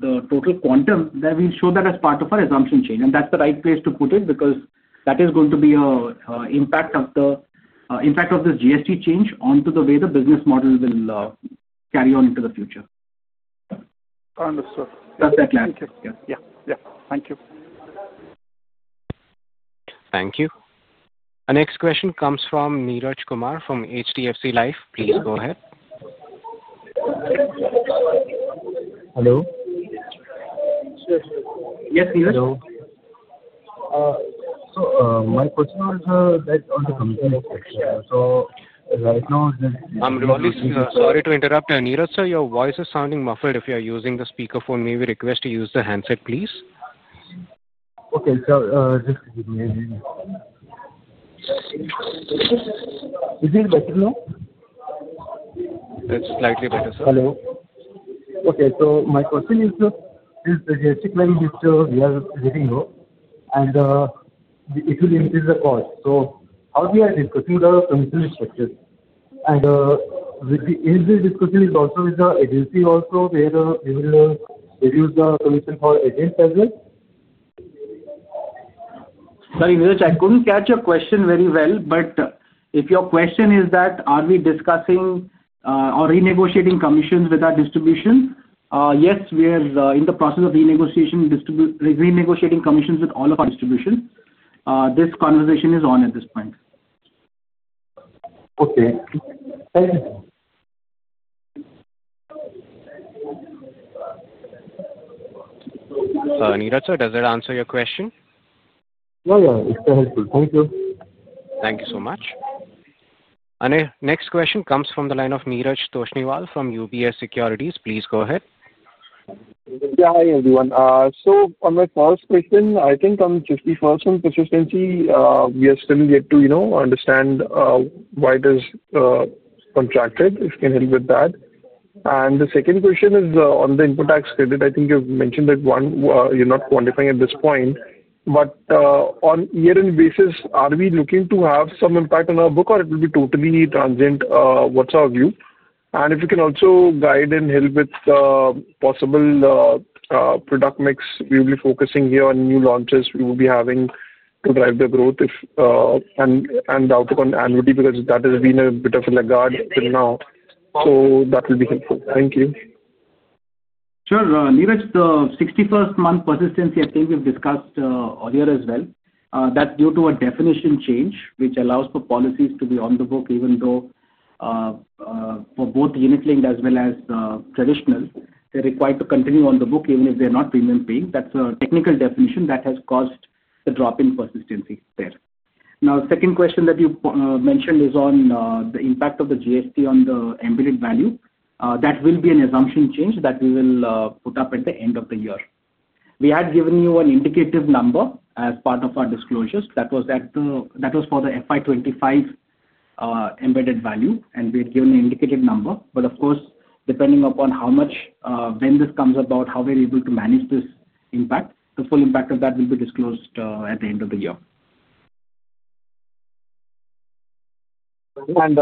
the total quantum, we show that as part of our assumption change and that's the right place to put it because that is going to be an impact of the impact of this GST change onto the way the business model will carry on into the future. Thank you. Thank you. Our next question comes from Neeraj Kumar from HDFC Life Insurance. Please go ahead. Hello, sorry to interrupt. Neeraj, sir, your voice is sounding muffled. If you are using the speakerphone, may we request you to use the handset please? Okay, sir, just give me. Is it better now? It's slightly better, sir. Hello. Okay, so my question is this. We are getting and it will increase the cost. How are we discussing the commission structure, and with the discussion, is it also with the education, you see, also where we will reduce the commission for agents as well? Sorry, Mirage, I couldn't catch your question very well. If your question is that are we discussing or renegotiating commissions with our distribution, yes, we are in the process of renegotiating commissions with all of our distribution. This conversation is on at this point. Okay. Neeraj, does that answer your question? Thank you. Thank you so much. Next question comes from the line of Neeraj Toshniwal from UBS Securities. Please go ahead. Hi everyone. On my first question, I think on 13-month persistency we are still yet to, you know, understand why it is contracted. It can help with that. The second question is on the input tax credit, I think you've mentioned. That one you're not quantifying at this. Point, but on year-end basis are we looking to have some impact on our book, or it will be totally transient? What's our view? If you can also guide and help with possible product mix, we will. Be focusing here on new launches. We will be having to drive the. Growth and outlook on annuity, because that has been a bit of a laggard till now. That will be helpful. Thank you. Sure. The 61st month persistency, I think we've discussed earlier as well, that due to a definition change which allows for policies to be on the book, even though for both unit-linked as well as traditional, they're required to continue on the book even if they're not premium paying. That's a technical definition that has come, caused the drop in persistency there. Now, the second question that you mentioned is on the impact of the GST on the embedded value. That will be an assumption change that we will put up at the end of the year. We had given you an indicative number as part of our disclosures that was for the FY2025 embedded value, and we had given the indicated number. Of course, depending upon how much, when this comes about, how we're able to manage this impact, the full impact of that will be disclosed at the end. End of the year. In terms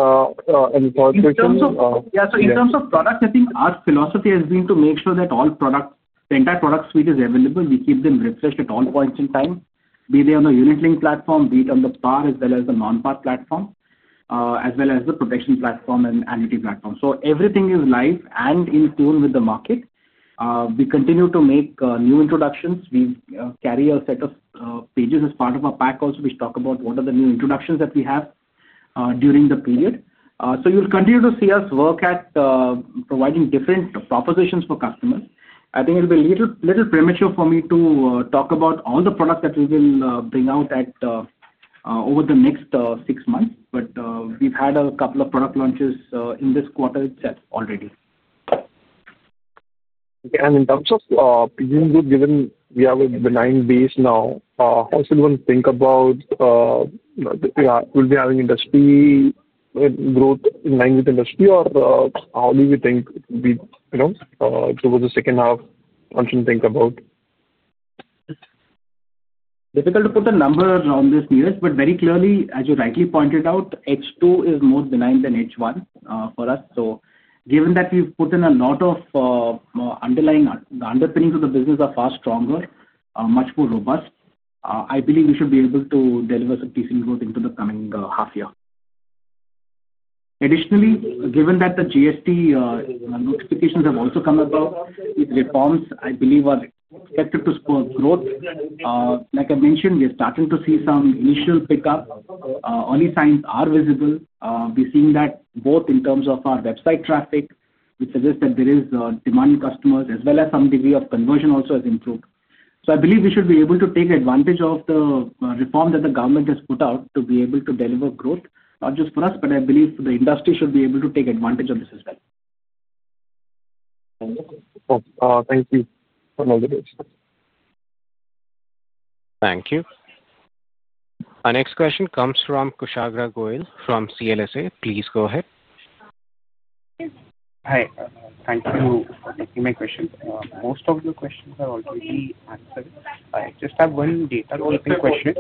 of product, I think our philosophy has been to make sure that all products, the entire product suite is available. We keep them refreshed at all points in time, be they on the unit-linked platform, be it on the par as well as the non-par platform, as well as the protection platform and annuity platform. Everything is live and in tune with the market. We continue to make new introductions. We carry a set of pages as part of our pack also, which talk about what are the new introductions that we have during the period. You'll continue to see us work at providing different propositions for customers. I think it'll be a little premature for me to talk about all the products that we will bring out over the next six months, but we've had a couple of product launches in this quarter itself already and in terms of. Given we have a benign base now. How should one think about having industry growth in line with industry. How do you think towards the. Second half one should think about. Difficult to put the number on this, but very clearly as you rightly pointed out, H2 is more benign than H1 for us. Given that we've put in a lot of underlying, the underpinnings of the business are far stronger, much more robust, I believe we should be able to deliver some decent growth into the coming half year. Additionally, given that the GST notifications have also come about, reforms I believe are expected to spur growth. Like I mentioned, we are starting to see some initial pickup, early signs are visible. We're seeing that both in terms of our website traffic, which suggests that there is demand, customers as well as some degree of conversion also has improved. I believe we should be able to take advantage of the reform that the government has put out to be able to deliver growth not just for us, but I believe the industry should be able to take advantage of this as well. Thank you. Thank you. Our next question comes from Kushagra Goel from CLSA. Please go ahead. Hi. Thank you for taking my question. Most of the questions are already answered. I just have one data rolling question.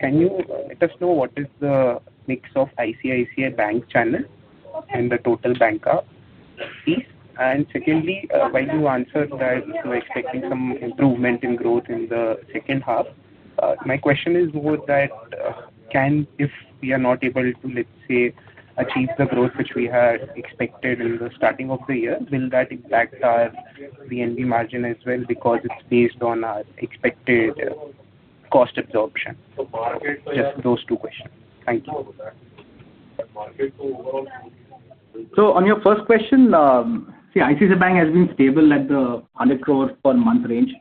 Can you let us know what is the mix of ICICI Bank channel and the total banker? Secondly, while you answer expecting some improvement in growth in the second half, my question is if we are not able to, let's say, achieve the growth which we had expected in the starting of the year, will that impact our VNB margin as well? Because it's based on our expected cost absorption. Just those two questions. Thank you. On your first question, ICICI Bank has been stable at the 100 crore per month range.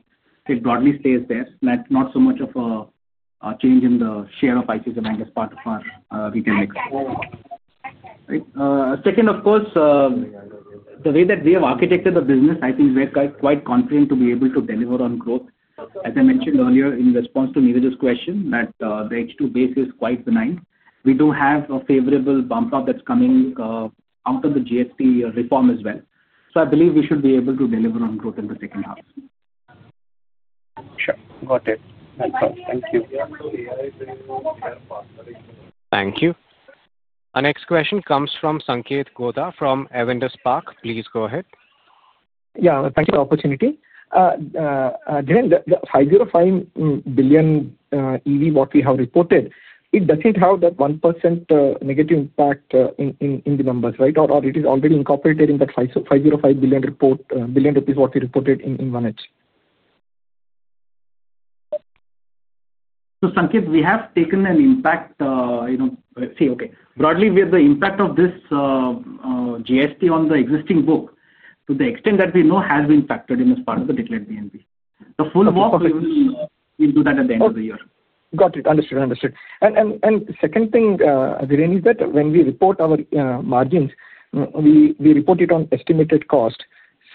It broadly stays there. That's not so much of a change in the share of ICICI Bank as part of our retail mix. The way that we have architected the business, I think we're quite confident to be able to deliver on growth. As I mentioned earlier in response to Neeraj's question, the H2 base is quite benign. We do have a favorable bump up that's coming out of the GST reform as well. I believe we should be able to deliver on growth in the second half. Sure. Got it. Thank you. Thank you. Our next question comes from Sanket Goda from Avendus Park. Please go ahead. Yeah, thank you for the opportunity. The 505 billion embedded value, what we have reported, it doesn't have that 1% negative impact in the numbers, right, or it is already incorporated in that 505 billion report, billion rupees, what we reported in 1H. Sanket, we have taken an impact. Broadly, with the impact of this GST on the existing book to the extent that we know, has been factored in as part of the declared VNB. The full work, we'll do that at the end of the year. Got it? Understood. Understood. Second thing, Viren, is that when we report our margins, we report it on estimated cost.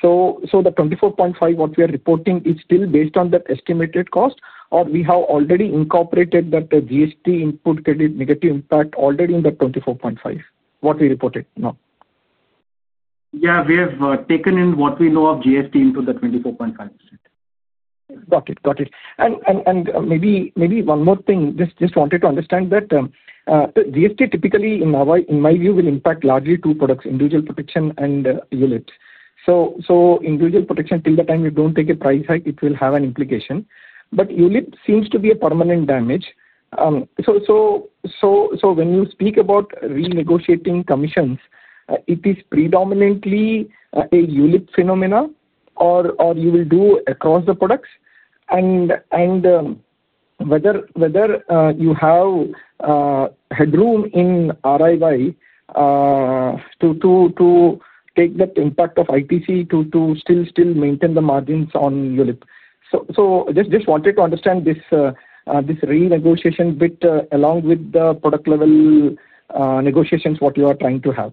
The 24.5% we are reporting is still based on that estimated cost. Have we already incorporated the GST input credit negative impact already in the 24.5% we reported? No. Yeah, we have taken in what we know of GST into the 24.5%. Got it, got it. Maybe one more thing. Just wanted to understand that GST typically in my view will impact largely two products, individual protection and unit. Individual protection, till the time you don't take a price hike, it will have an implication. ULIP seems to be a permanent damage. When you speak about renegotiating commissions, it is predominantly a ULIP phenomenon or you will do across the products, and whether you have headroom in RIY to take that impact of ITC to still maintain the margins on ULIP. Just wanted to understand this renegotiation bit along with the product level negotiations you are trying to have.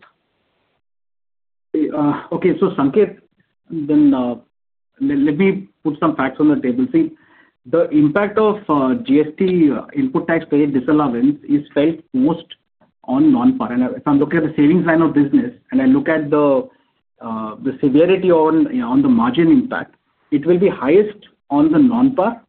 Okay, Sanket, let me put some facts on the table. The impact of GST input tax credit disallowance is felt most on non-partner. If I'm looking at the savings line of business and I look at the severity on the margin impact, it will be highest on the non-par.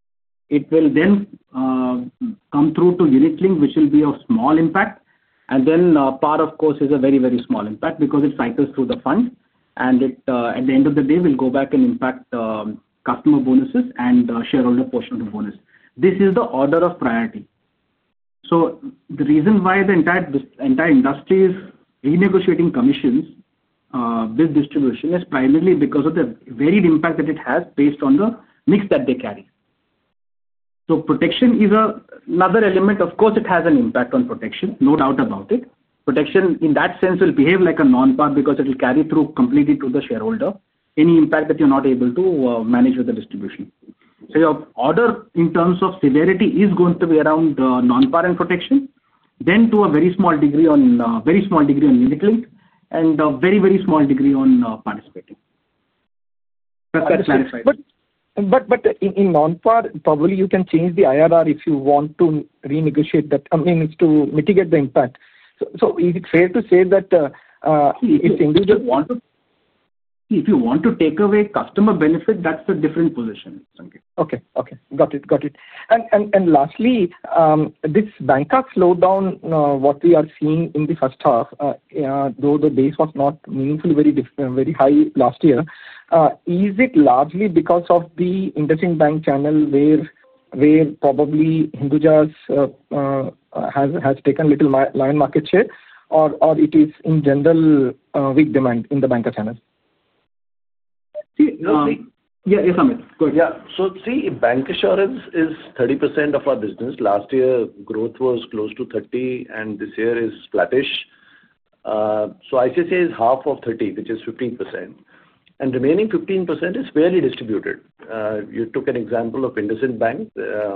It will then come through to unit-linked, which will be of small impact, and then par, of course, is a very, very small impact because it cycles through the fund and at the end of the day will go back and impact customer bonuses and shareholder portion of the bonus. This is the order of priority. The reason why the entire industry is renegotiating commissions with distribution is primarily because of the varied impact that it has based on the mix that they carry. Protection is another element. Of course, it has an impact on protection, no doubt about it. Protection in that sense will behave like a non-par because it will carry through completely to the shareholder any impact that you're not able to manage with the distribution. Your order in terms of severity is going to be around non-par and protection, then to a very small degree on unit-linked, and very, very small degree on participating. In non-par, probably you can change the IRR if you want to renegotiate that. I mean, it's to mitigate the impact. Is it fair to say that if you want to take away customer benefit, that's a different position? Okay, got it, got it. Lastly, this bancassurance slowdown, what we are seeing in the first half, though the base was not meaningfully very high last year, is it largely because of the interesting bank channel where probably Hinduja has taken a little line market share, or is it in general weak demand in the banker channels? Bank assurance is 30% of our business. Last year growth was close to 30% and this year is flattish. ICICI is half of 30 which is 15% and remaining 15% is fairly distributed. You took an example of IndusInd Bank,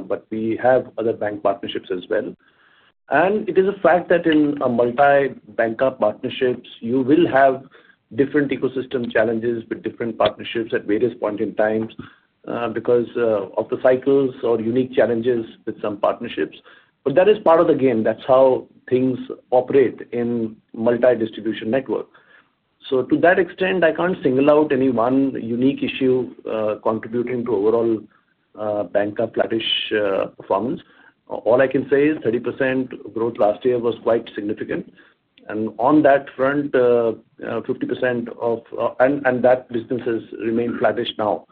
but we have other bank partnerships as well. It is a fact that in. A multi-banker partnerships, you will have different ecosystem challenges with different partnerships at various points in time because of the cycles or unique challenges with some partnerships. That is part of the game. That's how things operate in a multi-distribution network. To that extent I can't single. out any one unique issue contributing to overall bancassurance flattish performance. All I can say is 30% growth last year was quite significant. On that front, 50% of that distance remains flattish now.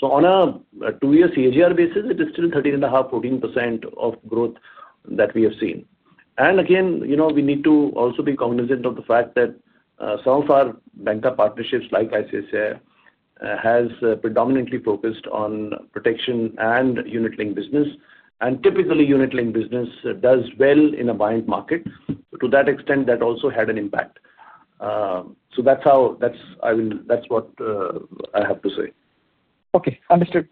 On a two-year CAGR basis, it is still 13.5%, 14% of growth that we have seen. We need to also be cognizant of the fact that some of our banker partnerships like ICICI Bank Limited have predominantly focused on protection and unit-linked business. Typically, unit-linked business does well in a buying market to that extent. That also had an impact. That's what I have to say. Okay, understood.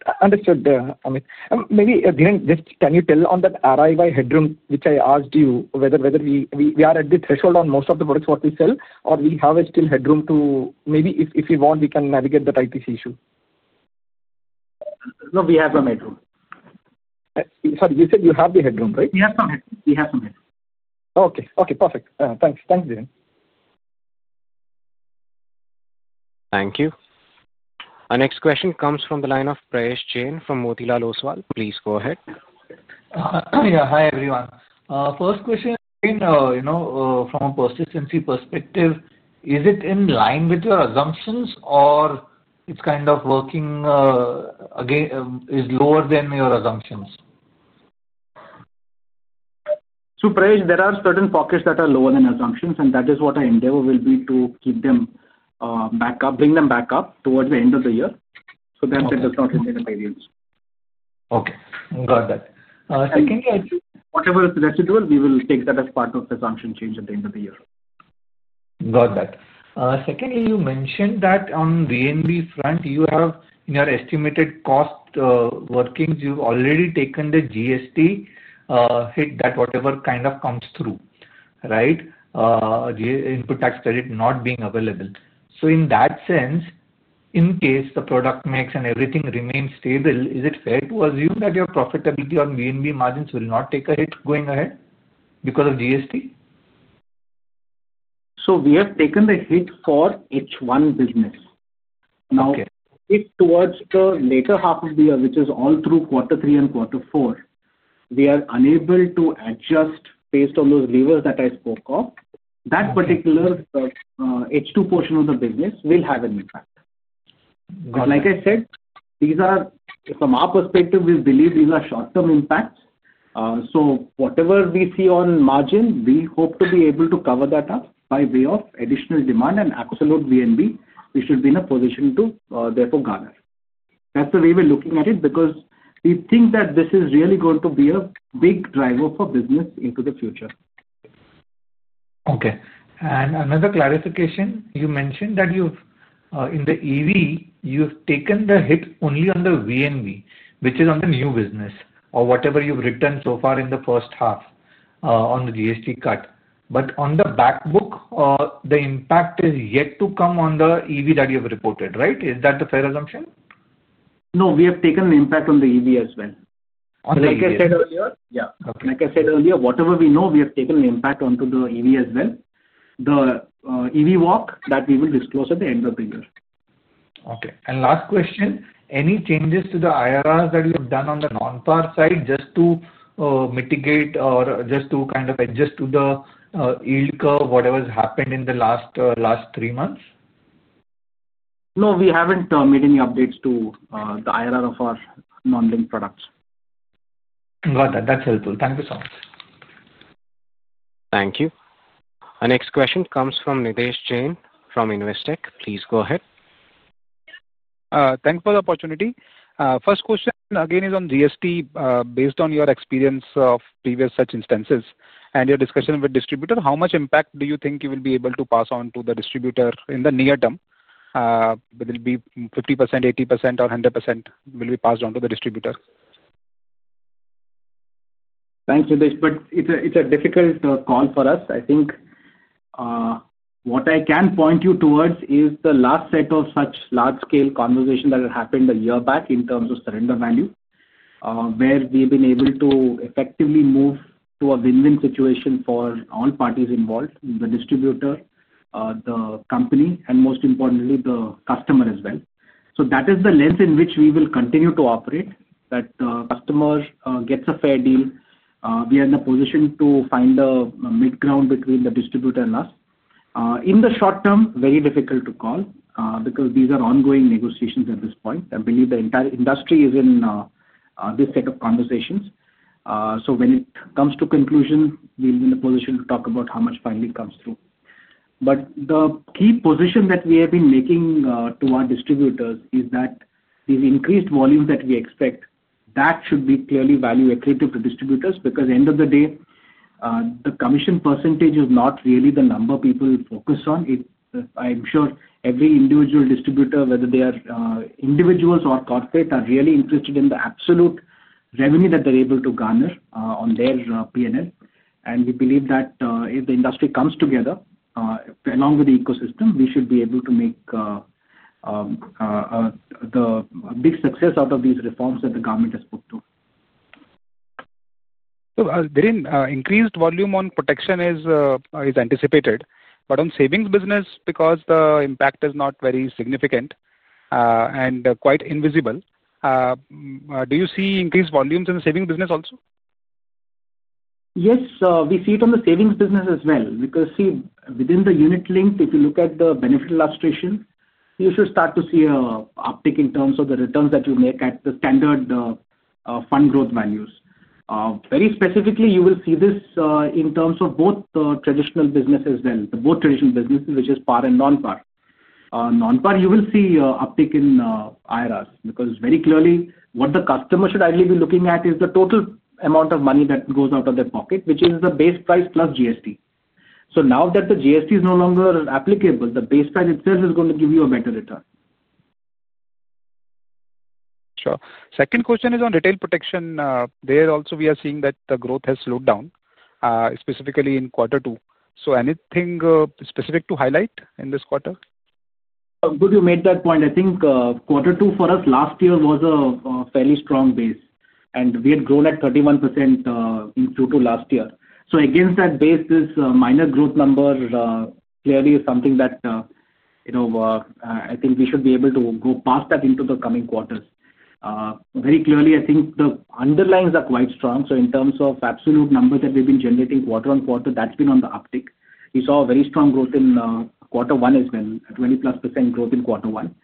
Maybe just can you tell on that array by headroom which I asked you whether we are at the threshold on most of the products what we sell or we have still headroom to maybe if you want we can navigate that ITC issue. No, we have a metro. Sorry, you said you have the headroom, right? Okay. Perfect. Thanks. Thanks. Thank you. Our next question comes from the line of Priyash Jain from Motilal Oswal. Please go ahead. Yeah. Hi everyone. First question. You know, from a persistency perspective, is it in line with your assumptions or it's kind of working again, is lower than your assumption. So Praj, there are certain pockets that are lower than assumptions. That is what my endeavor will be, to keep them back up, bring them back up towards the end of the year so that it does not hit a period. Okay, got that. Second, whatever is residual, we will take that as part of the function change at the end of the year. Got that? Secondly, you mentioned that on DNB front you have in your estimated cost workings, you've already taken the GST hit that whatever kind of comes through, right. The input tax credit not being available. In that sense, in case the product mix and everything remains stable, is it fair to assume that your profitability on VNB margins will not take a hit going ahead because of GST? We have taken the hit for H1 business. If towards the later half of the year, which is all through quarter three and quarter four, we are unable to adjust based on those levers that I spoke of, that particular H2 portion of the business will have an impact. Like I said, from our perspective, we believe these are short term impacts. Whatever we see on margin, we hope to be able to cover that up by way of additional demand and absolute VNB we should be in a position to therefore garner. That's the way we're looking at it because we think that this is really going to be a big driver for business into the future. Okay, and another clarification, you mentioned that in the EV you've taken the hit only on the VNB which is on the new business or whatever you've written so far in the first half on the GST cut. On the back book the impact is yet to come on the EV that you have reported, right? Is that the fair assumption? No, we have taken the impact on the EV as well. Like I said earlier, whatever we know we have taken an impact onto the EV as well. The EV walk that we will disclose at the end of the year. Okay, and last question, any changes to the IRRs that you have done on the non-par side just to mitigate or just to kind of adjust to the yield curve, whatever has happened in the last three months? No, we haven't made any updates to the IRR of our non-linked products. Got that, that's helpful. Thank you so much. Thank you. Our next question comes from Nitesh Jain from Investec. Please go ahead. Thanks for the opportunity. First question again is on GST. Based on your experience of previous such and your discussion with distributor, how much impact do you think you will be able to pass on to the distributor in the near term? Will it be 50%, 80% or 100% will be passed on to the distributor? Thanks. It's a difficult call for us. I think what I can point you towards is the last set of such large-scale conversation that happened a year back in terms of surrender value where we've been able to effectively move to a win-win situation for all parties involved: the distributor, the company, and most importantly the customer as well. That is the length in which we will continue to operate, that customer gets a fair deal. We are in a position to find a mid-ground between the distributor and us in the short term. Very difficult to call because these are ongoing negotiations at this point. I believe the entire industry is in this set of conversations. When it comes to conclusion, we'll be in a position to talk about how much finally comes through, but the key position that we have been making to our distributors is that these increased volumes that we expect should be clearly value accretive to distributors because at the end of the day the commission percentage is not really the number people focus on. I'm sure every individual distributor, whether they are individuals or corporate, are really interested in the absolute revenue that they're able to garner on their P&L. We believe that if the industry comes together along with the ecosystem, we should be able to make a big success out of these reforms that the government has put to increase volume on protection is anticipated. On savings business, because the impact is not very significant and quite invisible, do you see increased volumes in the savings business also? Yes, we see it on the savings business as well because within the unit-linked, if you look at the benefit illustration, you should start to see an uptick in terms of the returns that you make at the standard fund growth values. Very specifically, you will see this in terms of both traditional businesses, which is par and non-par, you will see uptake in IRR because very clearly what the customer should ideally be looking at is the total amount of money that goes out of their pocket, which is the base price plus GST. Now that the GST is no longer applicable, the base price itself is going to give you a better return. Sure. Second question is on retail protection. There also we are seeing that the growth has slowed down specifically in quarter two. Anything specific to highlight in this quarter? Good, you made that point. I think quarter two for us last year was a fairly strong base and we had grown at 31% in Q2 last year. Against that base, this minor growth number clearly is something that, you know, I think we should be able to go past into the coming quarters. Very clearly I think the underlyings are quite strong. In terms of absolute number that we've been generating quarter on quarter, that's been on the uptick. We saw a very strong growth in quarter one as well, 20+% growth in quarter one.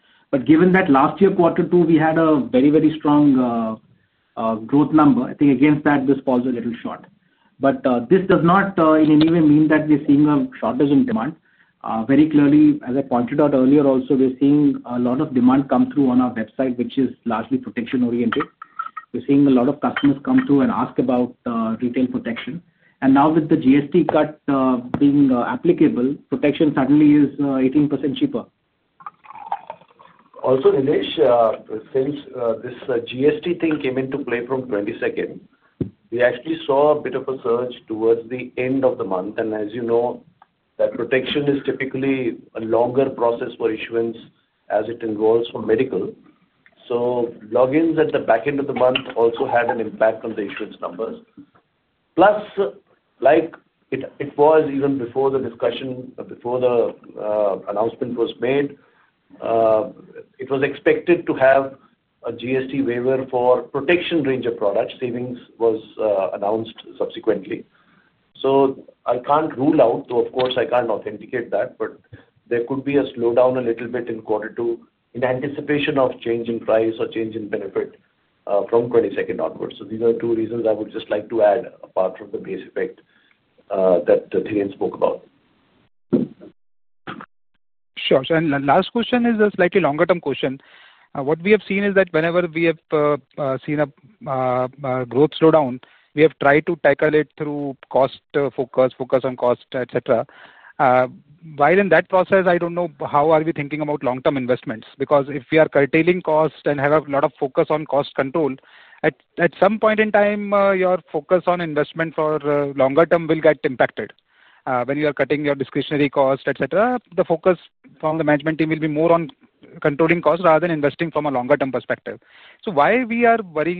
Given that last year quarter two we had a very, very strong growth number, I think against that this falls a little short. This does not in any way mean that we're seeing a shortage in demand. Very clearly as I pointed out earlier, also we're seeing a lot of demand come through on our website, which is largely protection oriented. We're seeing a lot of customers come to and ask about retail protection. Now with the GST cut being applicable, protection suddenly is 18% cheaper. Also Nilesh, since this GST thing came into play from 22nd, we actually saw a bit of a surge towards the end of the month, and as you know, protection is typically a longer process for issuance as it involves for medical. Logins at the back end of the month also had an impact on the issuance numbers. Plus, like it was even before the discussion, before the announcement was made, it was expected to have a GST waiver for protection. Range of products savings was announced subsequently. I can't rule out though of. course I can't authenticate that. There could be a slowdown a little bit in quarter two in anticipation of change in price or change in benefit from 22nd onwards. These are two reasons I would just like to add apart from the base effect that Dhiren spoke about. Sure. Last question is a slightly longer term question. What we have seen is that whenever we have seen a growth slowdown we have tried to tackle it through cost focus, focus on cost, etc. In that process, I don't know how are we thinking about long term investments because if we are curtailing cost and have a lot of focus on cost control at some point in time your focus on investment for longer term will get impacted when you are cutting your discretionary cost, etc. The focus from the management team will be more on controlling cost rather than investing from a longer term perspective. Why are we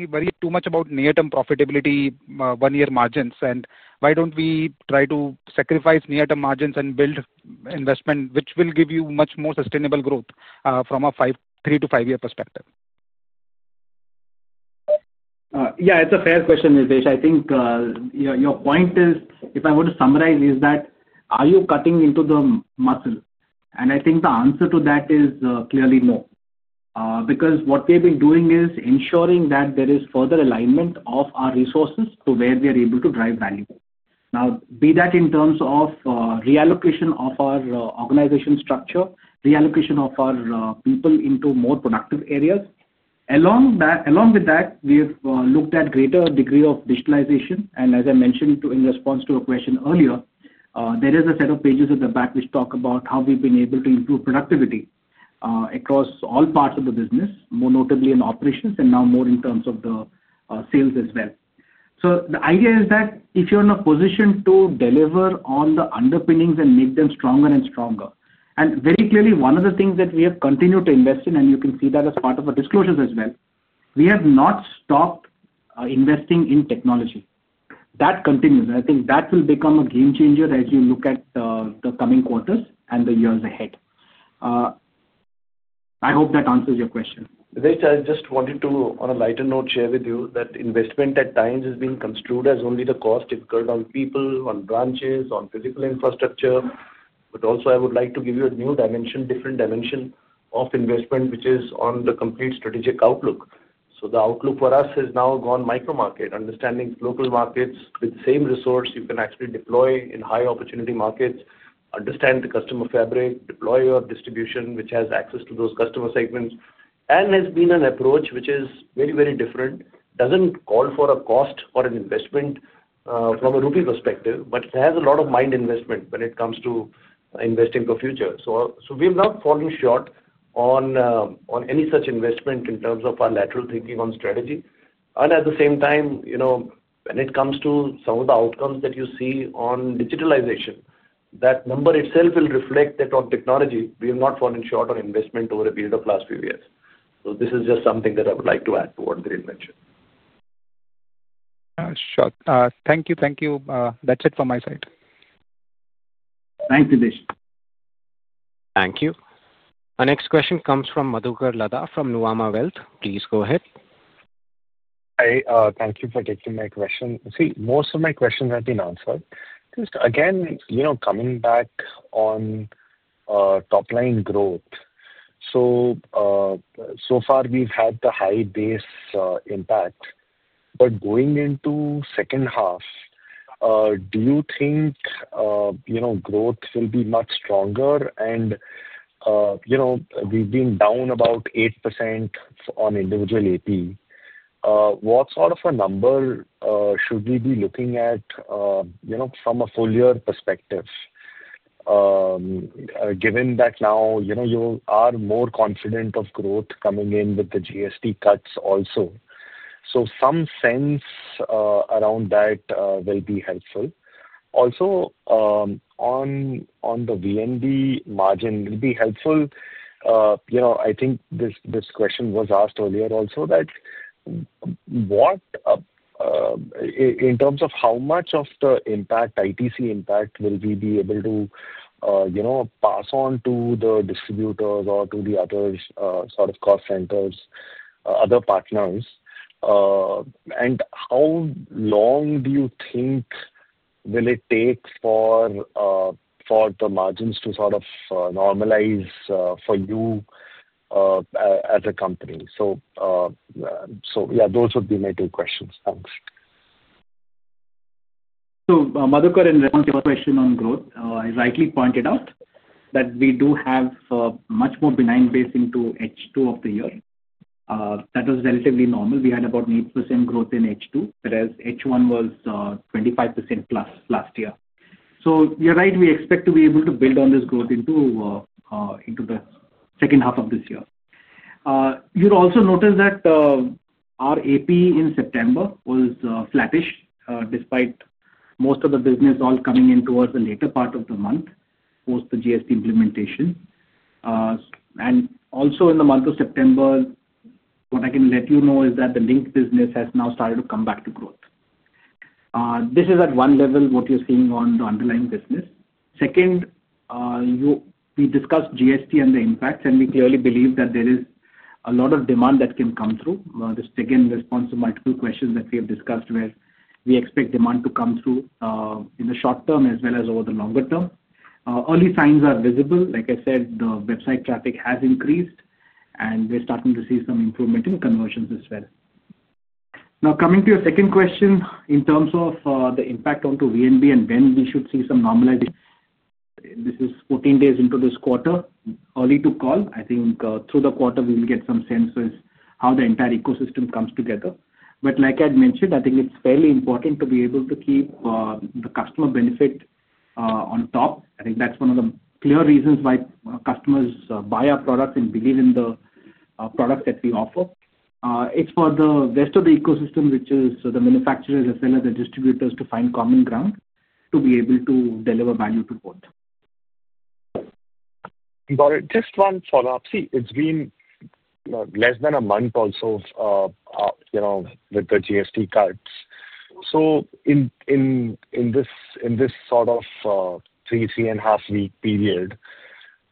worried too much about near term profitability, one year margins, and why don't we try to sacrifice near term margins and build investment which will give you much more sustainable growth from a three to five year perspective? Yeah, it's a fair question, Nitesh. I think your point is, if I want to summarize, is that are you cutting into the muscle? I think the answer to that is clearly no. What they've been doing is ensuring that there is further alignment of our resources to where we are able to drive value now. Be that in terms of reallocation of our organization structure, reallocation of our people into more productive areas. Along with that we have looked at greater degree of digitalization and as I mentioned in response to a question earlier, there is a set of pages at the back which talk about how we've been able to improve productivity across all parts of the business, more notably in operations and now more in terms of the sales as well. The idea is that if you're in a position to deliver on the underpinnings and make them stronger and stronger and very clearly one of the things that we have continued to invest in and you can see that as part of our disclosures as well. We have not stopped investing in technology that continues. I think that will become a game changer as you look at the coming quarters and the years ahead. I hope that answers your question. I just wanted to, on a lighter note, share with you that investment at times is being construed as only the cost incurred on people, on branches, on physical infrastructure. I would also like to give you a new dimension, a different dimension of investment, which is on the complete strategic outlook. The outlook for us has now gone micro market, understanding local markets. With the same resource, you can actually deploy in high opportunity markets, understand the customer fabric, deploy your distribution which has access to those customer segments, and it has been an approach which is very, very different. It doesn't call for a cost or an investment from a rupee perspective, but has a lot of mind investment when it comes to investing for future. We have not fallen short on any such investment in terms of our lateral thinking on strategy. At the same time, when it. Comes to some of the outcomes. You see, on digitalization, that number itself will reflect that on technology we have not fallen short on investment over a period of the last few years. This is just something that I would like to add to what they mentioned. Sure. Thank you. Thank you. That's it for my side. Thanks. Thank you. Our next question comes from Madhukar Lada from Nuama Wealth. Please go ahead. Thank you for taking my question. See, most of my questions have been answered. Just again coming back on top line growth, so far we've had the high base impact. Going into the second half, do you think growth will be much stronger? We've been down about 8% on individual APE. What sort of a number should we. Be looking at, you know, from a full year perspective. Given that now you know you are more confident of growth coming in with the GST cuts also, some sense around that will be helpful. Also, on the VNB margin will be helpful. I think this question was asked earlier also. In terms of how much. Of the impact, ITC impact, will we be able to pass on to the distributors or to the other sort of cost centers, other partners? How long do you think will it take for the margins to sort of normalize for you as a company? Those would be my two questions. Thanks. Madhukar, in response to your question on growth, I rightly pointed out that we do have a much more benign base into H2 of the year that was relatively normal. We had about 8% growth in H2, whereas H1 was 25% plus last year. You're right, we expect to be. Able to build on this growth into. The second half of this year. You'll also notice that our APE in September was flattish, despite most of the business all coming in towards the later part of the month post the GST implementation and also in the month of September. What I can let you know is that the unit-linked business has now started to come back to growth. This is at one level what you're seeing on the underlying business. We discussed GST and the impact, and we clearly believe that there is a lot of demand that can come through this. Again, in response to multiple questions that we have discussed where we expect demand to come through in the short term as well as over the longer term. Early signs are visible. Like I said, the website traffic has increased, and we're starting to see some improvement in conversions as well. Now coming to your second question in terms of the impact onto VNB and when we should see some normalization. This is 14 days into this quarter, early to call. I think through the quarter we will get some sense how the entire ecosystem comes together. I think it's fairly important to be able to keep the customer benefit on top. I think that's one of the clear reasons why customers buy our products and believe in the products that we offer. It's for the rest of the ecosystem, which is the manufacturers as well as the distributors, to find common ground to be able to deliver value to both. Baura, just one follow up. See, it's been less than a month also, you know, with the GST cards. So. In this sort of three, three and a half week period,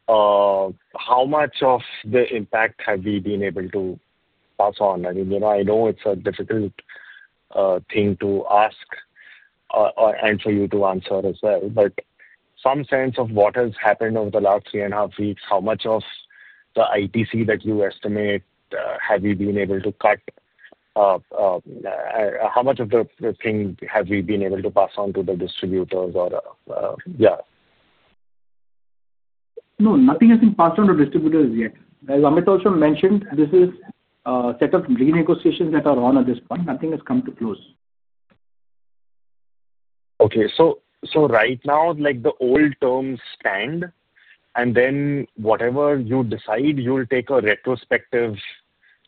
how much of the impact have we been able to pass on? I mean, I know it's a difficult thing to ask and for you to answer as well, but some sense of what has happened over the last three and a half weeks. How much of the ITC that you estimate have you been able to cut? How much of the thing have we been able to pass on to the distributors? Yeah, no, nothing has been passed on to distributors yet. As Amit also mentioned, this is set up renegotiations that are on at this point. Nothing has come to close. Okay, so. Right now like the old terms. Stand and then whatever you decide, you'll take a retrospective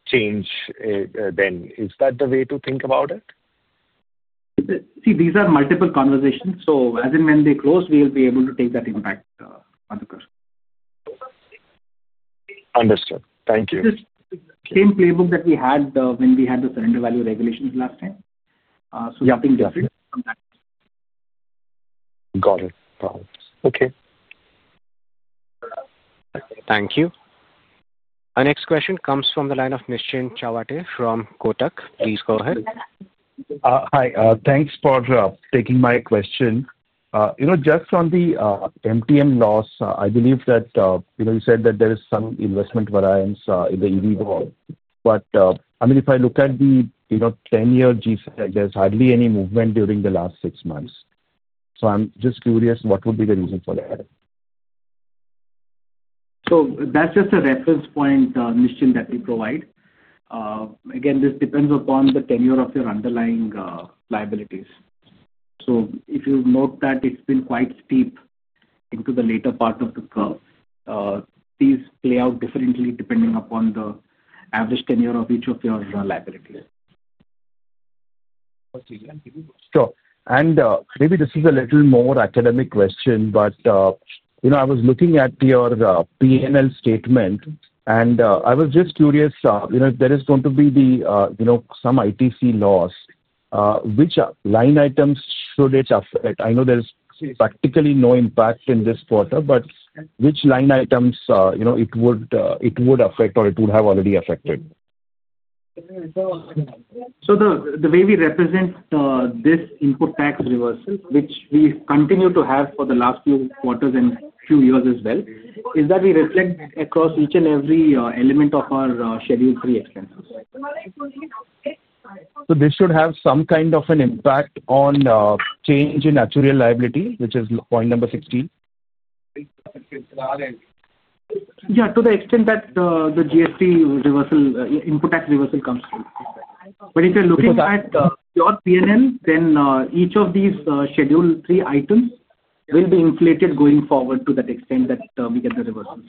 change then. Is that the way to think about it? These are multiple conversations. As and when they close, we will be able to take that impact. Understood. Thank you. Same playbook that we had when we had the surrender value regulations last time. Got it. Okay. Thank you. Our next question comes from the line of Ms. Chin Chavate from Kotak. Please go ahead. Hi. Thanks for taking my question. Just on the MTM loss, I believe that you said. There is some investment variance in the EV world, but if I look at the 10-year G-Sec, there's hardly any movement. During the last six months, I'm just curious what would be. The reason for that? That's just a reference point, Nishin, that we provide. Again, this depends upon the tenure of your underlying liabilities. If you note that it's been quite steep into the later part of the curve, these play out differently depending upon the average tenure of each of your liabilities. Sure. Maybe this is a little more. Academic question, but you know I was. Looking at your P&L statement and I. Was just curious if there. Is going to be, you know, some. ITC loss, which line items should it affect? I know there's practically no impact in this quarter, but which line items it would affect or it would have already affected? The way we represent this input tax reversal, which we continue to have for the last few quarters and few years as well, is that we reflect across each and every element of our Schedule 3 expenses. This should have some kind of an impact on change in actual liability, which is point number 16, to the extent that the GST reversal, input tax reversal comes through. If you're looking at your PNL, then each of these Schedule 3 items will be inflated going forward to that extent that we get the reversals.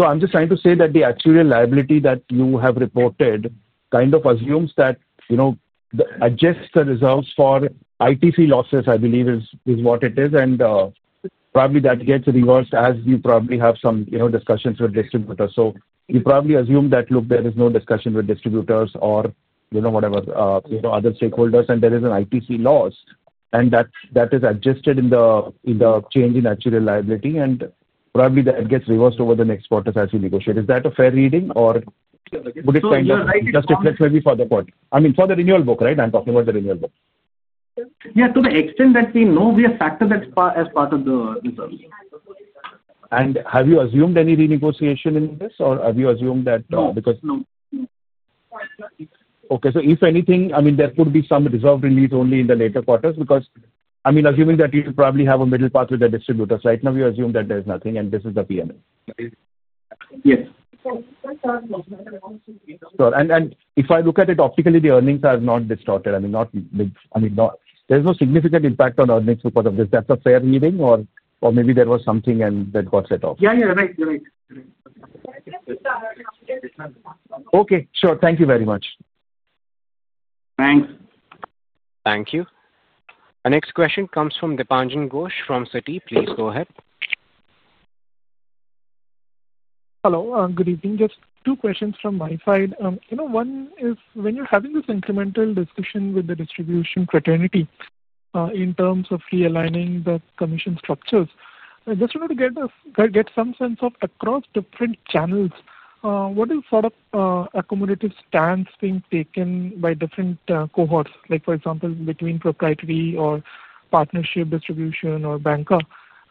I'm just trying to say that the actuarial liability that you have reported. Kind of assumes that, you know, adjust the reserves for ITC losses, I believe. It is what it is. That probably gets reversed as you. Probably have some discussions with distributor. You probably assume that, look, there is no discussion with distributors or you. Know, whatever, other stakeholders, and there is an ITC loss, and that is adjusted in the change in actual liability. That probably gets reversed over the period. Next quarters as you negotiate. Is that a fair reading or would it kind of just flex, maybe for the. Point, I mean, for the renewal book, right? I'm talking about the renewal book. Yeah. To the extent that we know, we have factored that as part of the results. Have you assumed any renegotiation in this? Have you assumed that because. Okay. If anything, there could be some reserve release only in the later quarters. I mean, assuming that you probably have a middle path with the distributors right now, you assume that there's nothing. This is the P&L. Yes, if I look at it optically, the. Earnings are not distorted. There's no significant impact on earnings because of this. That's a fair reading. Or maybe there was some and that got set off. Okay, sure. Thank you very much. Thanks. Thank you. The next question comes from Dipanjan Ghosh from Citi. Please go ahead. Hello. Good evening. Just two questions from my side. One is when you're having this incremental discussion with the distribution fraternity in terms of realigning the commission structures, just wanted to get some sense of across different channels. What is sort of accumulative stance being taken by different cohorts? For example, between proprietary or partnership distribution or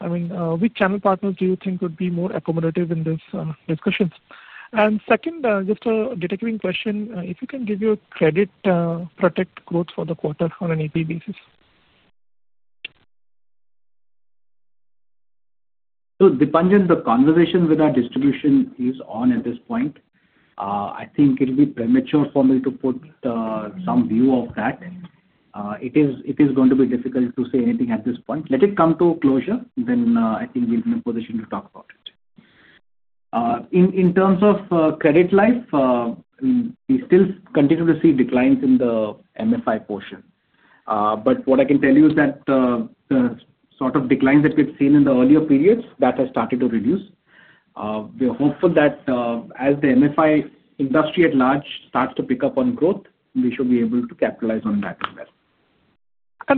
bancassurance. Which channel partners do you think would be more accommodative in these discussions? Second, just a data queuing question. If you can give your credit protect growth for the quarter on an APE basis. So Deepanjan, the conversation with our distribution is on. At this point, I think it'll be premature for me to put some view of that. It is going to be difficult to say anything at this point. Let it come to a closure, then I think we'll be in a position to talk about it. In terms of credit life, we still continue to see declines in the MFI portion. What I can tell you is that the sort of declines that we've seen in the earlier periods, that has started to reduce. We are hopeful that as the MFI industry at large starts to pick up on growth, we should be able to capitalize on that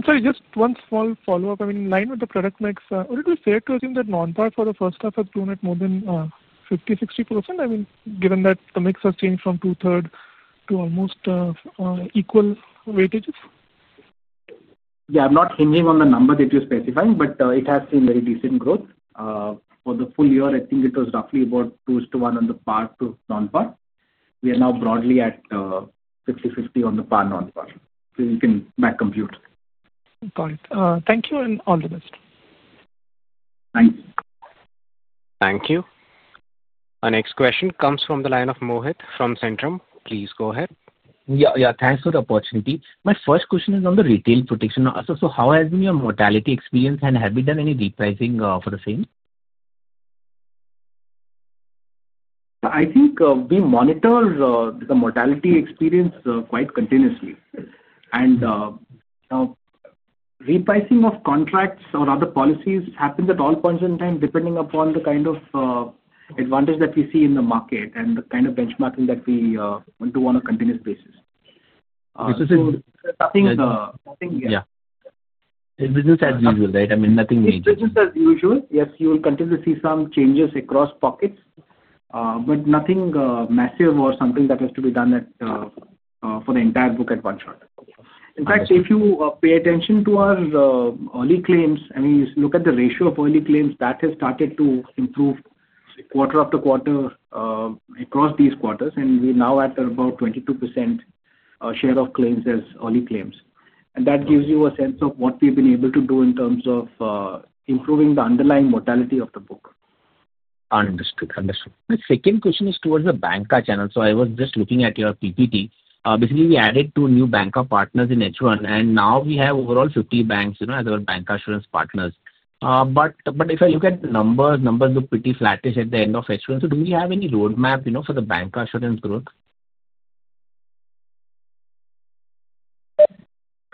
as well. Just one small follow up in line with the product mix, would it be fair to assume that non-par for the first half of June had more than 50%, 60%? Given that the mix has changed from two-thirds to almost equal weightages. Yeah. I'm not hinging on the number that you're specifying, but it has seen very decent growth for the full year. I think it was roughly about 2:1 on the par to non-par. We are now broadly at 60:50 on the par, non. You can compute. Got it. Thank you. All the best. Thanks. Thank you. Our next question comes from the line of Mohit from Centrum. Please go ahead. Yeah, yeah. Thanks for the opportunity. My first question is on the retail protection. How has been your mortality experience and have you done any repricing for the same? I think we monitor the mortality experience quite continuously. Repricing of contracts or other policies happens at all points in time depending upon the kind of advantage that we see in the market and the kind of benchmarking that we do on a continuous basis. Business as usual, right? Nothing major. Yes, you will continue to see some changes across pockets, but nothing massive or something that has to be done for the entire book at one shot. In fact, if you pay attention to our early claims, look at the ratio of early claims that has started to improve quarter after quarter across these quarters. We now enter about 22% share of claims as early claims. That gives you a sense of what we've been able to do in terms of improving the underlying mortality of the book. Understood, Understood. The second question is towards the bancassurance channel. I was just looking at your PPT. Basically, we added two new banker partners in H1 and now we have overall 50 banks as our bancassurance partners. If I look at the numbers, numbers look pretty flattish at the end of H1. Do we have any roadmap for the bancassurance growth?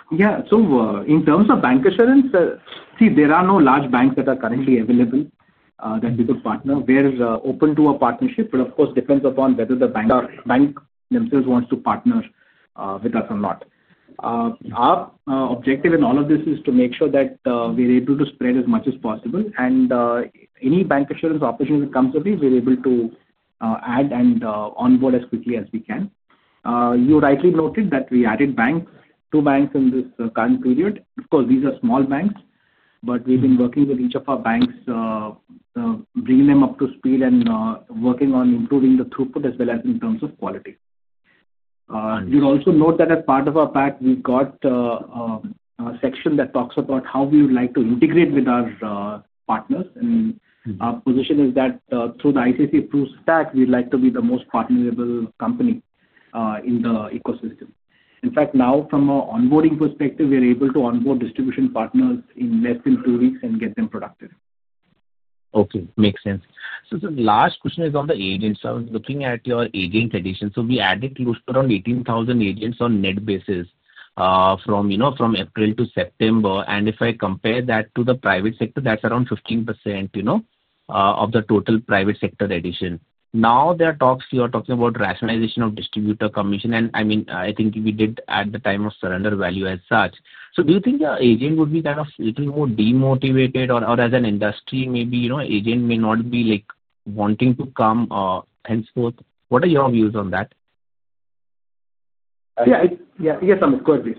Yeah. In terms of bancassurance, there are no large banks that are currently available that we could partner. We're open to a partnership, but of course it depends upon whether the bank themselves wants to partner with us. Our objective in all of this is to make sure that we're able to spread as much as possible. Any bancassurance opportunity that comes with these, we're able to add and onboard as quickly as we can. You rightly noted that we added banks, two banks in this current period. Of course, these are small banks, but we've been working with each of our banks, bringing them up to speed and working on improving the throughput as well as in terms of quality. You'll also note that as part of our pack we've got a section that talks about how we would like to integrate with our partners. Our position is that through the ICICI Pru stack, we'd like to be the most partnerable company in the ecosystem. In fact, now from an onboarding perspective, we are able to onboard distribution partners in less than two weeks and get them productive. Okay, makes sense. The last question is on the agents. I was looking at your agent addition. We added around 18,000 agents on net basis from April to September. If I compare that to the private sector, that's around 15% of the total private sector addition. Now there are talks, you're talking about rationalization of distributor commission and I mean I think we did at the time of surrender value as such. Do you think the agent would be kind of little more demotivated or as an industry maybe, agent may not be like wanting to come henceforth. What are your views on that? Yeah, yeah. Yes, go ahead please.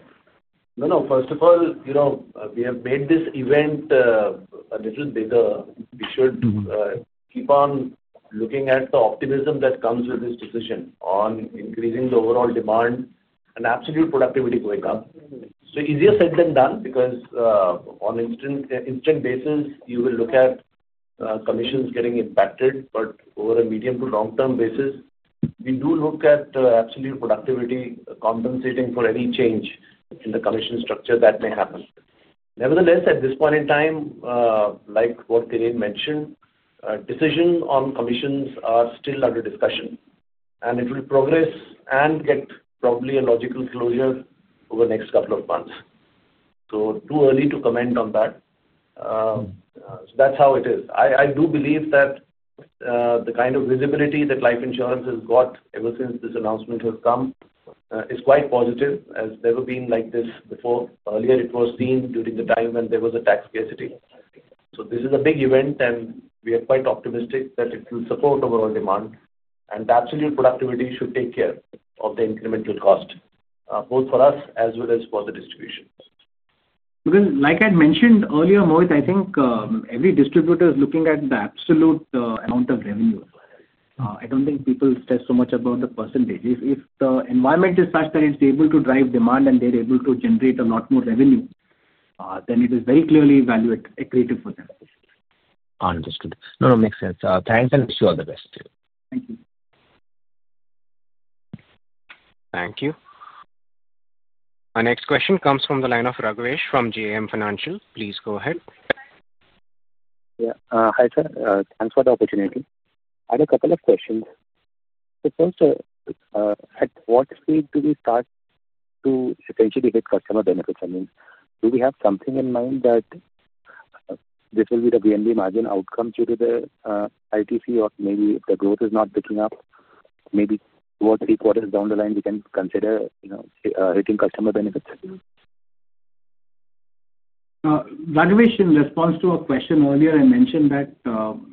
No, no, first of all, you know. We have made this event a little bigger. We should keep on looking at the optimism that comes with this decision on increasing the overall demand and absolute productivity going up. Easier said than done because on an instant basis you will look at commissions getting impacted. Over a medium to long term basis we do look at absolute productivity. Compensating for any change in the commission structure that may happen. Nevertheless, at this point in time, like what Dhiren mentioned, decision on commissions are still under discussion, and it will progress and get probably a logical closure over. The next couple of months. is too early to comment on that. That's how it is. I do believe that the kind of visibility that life insurance has got ever since this announcement has come is quite positive. It's never been like this before. Earlier it was seen during the time when there was a tax scarcity. This is a big event and we are quite optimistic that it will support overall demand and absolute productivity should take care of the incremental cost both for us as well as for the distribution. Because like I mentioned earlier, Mohit, I think every distributor is looking at the absolute amount of revenue. I don't think people stress so much about the %. If the environment is such that it's able to drive demand and they're able to generate a lot more revenue, then it is very clearly value accretive for them. Understood. No, no, makes sense. Thanks and wish you all the best. Thank you. Thank you. Our next question comes from the line of Raghvesh from JAM Financial. Please go ahead. Hi sir. Thanks for the opportunity. I have a couple of questions. At what speed do we start to essentially hit customer benefits? I mean, do we have something in mind that this will be the VNB margin outcome due to the ITC? Or maybe if the growth is not picking up maybe two or three quarters down the line, we can consider hitting customer benefits. Ranivesh, in response to a question earlier I mentioned that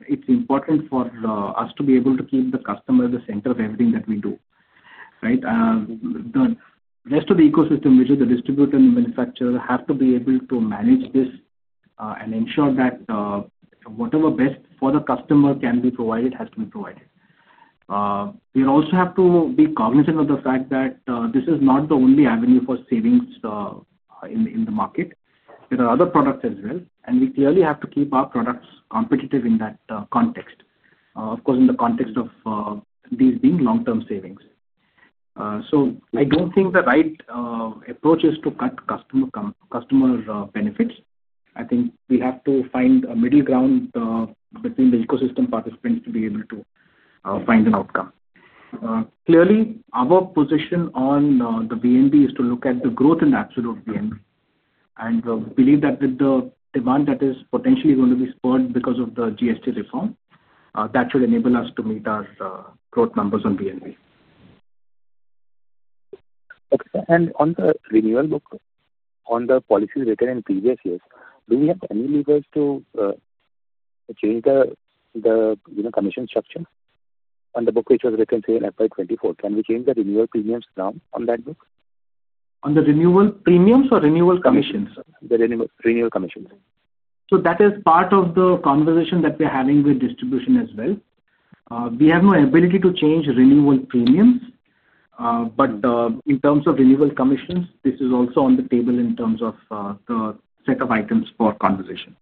it's important for us to be able to keep the customer at the center of everything that we do. The rest of the ecosystem, which is the distributor and manufacturer, have to be able to manage this and ensure that whatever is best for the customer can be provided has to be provided. We also have to be cognizant of the fact that this is not the only avenue for savings in the market. There are other products as well and we clearly have to keep our products competitive in that context. Of course, in the context of these being long-term savings. I don't think the right approach is to cut customer competition, customer benefits. I think we have to find a middle ground between the ecosystem participants to be able to find an outcome. Clearly our position on the VNB is to look at the growth in absolute VNB and believe that with the demand that is potentially going to be spurred because of the GST reform, that should enable us to meet our growth numbers. On VNB and on the renewal book, on the policies written in previous years, do we have any levers to change the commission structure on the book which was written say in FY2024? Can we change the renewal premiums now on that book? On the renewal premiums or renewal commissions? The renewal commissions. That is part of the conversation that we're having with distribution as well. We have no ability to change renewal premiums. In terms of renewal commissions, this is also on the table in terms of the set of items for conversation.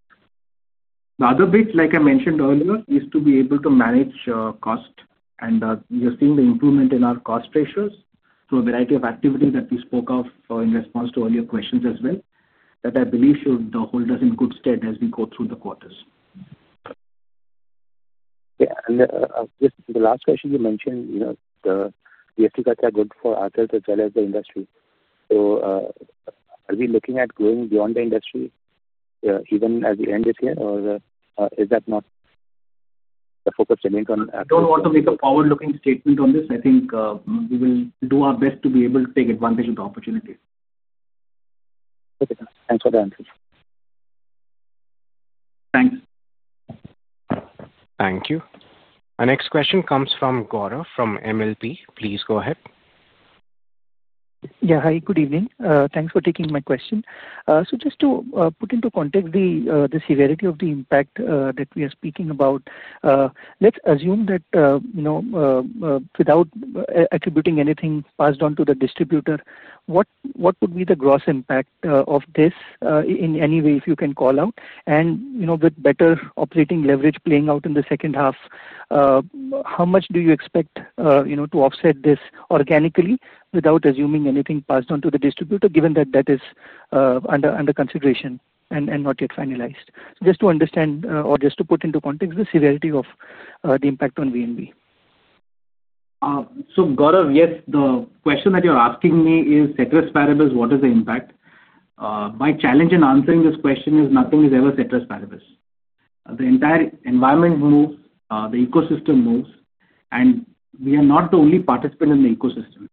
The other bit, like I mentioned earlier, is to be able to manage cost and you're seeing the improvement in our cost ratios through a variety of activities that we spoke of in response to earlier questions as well that I believe should hold us in good stead as we go through the quarters. The last question you mentioned, the EFT cuts are good for assets as well as the industry. Are we looking at going beyond the industry even at the end this year or is that not the focus remains on. I don't want to make a forward-looking statement on this. I think we will do our best to be able to take advantage of the opportunities. Thanks for the answer. Thanks. Thank you. Our next question comes from Gaurav from MLP. Please go ahead. Yeah. Hi, good evening. Thanks for taking my question. Just to put into context the severity of the impact that we are speaking about, let's assume that without attributing anything passed on to the distributor, what would be the gross impact of this in any way? If you can call out and with better operating leverage playing out in the second half, how much do you expect to offset this organically without assuming anything passed on to the distributor, given that that is under consideration and not yet finalized? Just to understand or just to put into context the severity of the impact on VNB. Gaurav, yes, the question that you're asking me is cetera paribus, what is the impact? My challenge in answering this question is nothing is ever cetera paribus. The entire environment moves, the ecosystem moves. We are not the only participant in the ecosystem.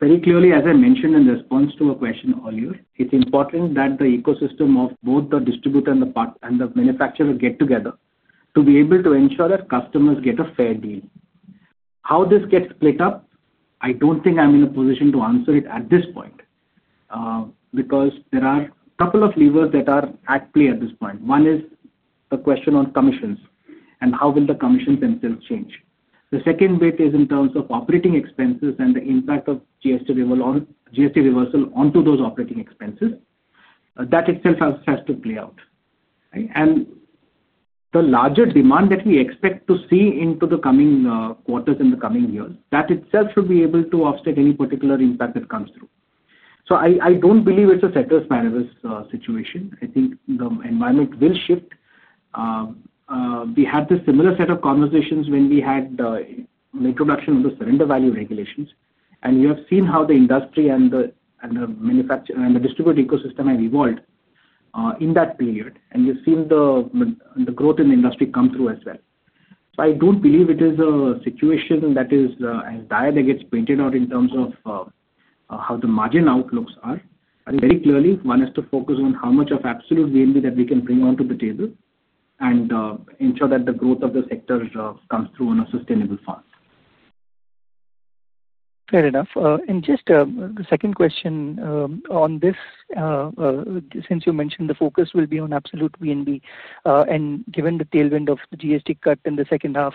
Very clearly, as I mentioned in response to a question earlier, it's important that the ecosystem of both the distributor and the manufacturer get together to be able to ensure that customers get a fair deal. How this gets split up, I don't think I'm in a position to answer it at this point because there are a couple of levers that are at play at this point. One is the question on commissions and how will the commissions themselves change. The second bit is in terms of operating expenses and the impact of GST reversal onto those operating expenses, that itself has to play out. The larger demand that we expect to see in the coming quarters and the coming years, that itself should be able to offset any particular impact that comes through. I don't believe it's a cetera paribus situation. I think the environment will shift. We had this similar set of conversations when we had the introduction of the surrender value regulations. You have seen how the industry and the manufacturer and the distributed ecosystem have evolved in that period and you've seen the growth in the industry come through as well. I don't believe it is a situation that is as dire that gets painted out in terms of how the margin outlooks are. Very clearly, one has to focus on how much of absolute VNB that we can bring onto the table and ensure that the growth of the sector comes. Through on a sustainable fast. Fair enough. Just the second question on this, since you mentioned the focus will be on absolute VNB and given the tailwind of the GST cut in the second half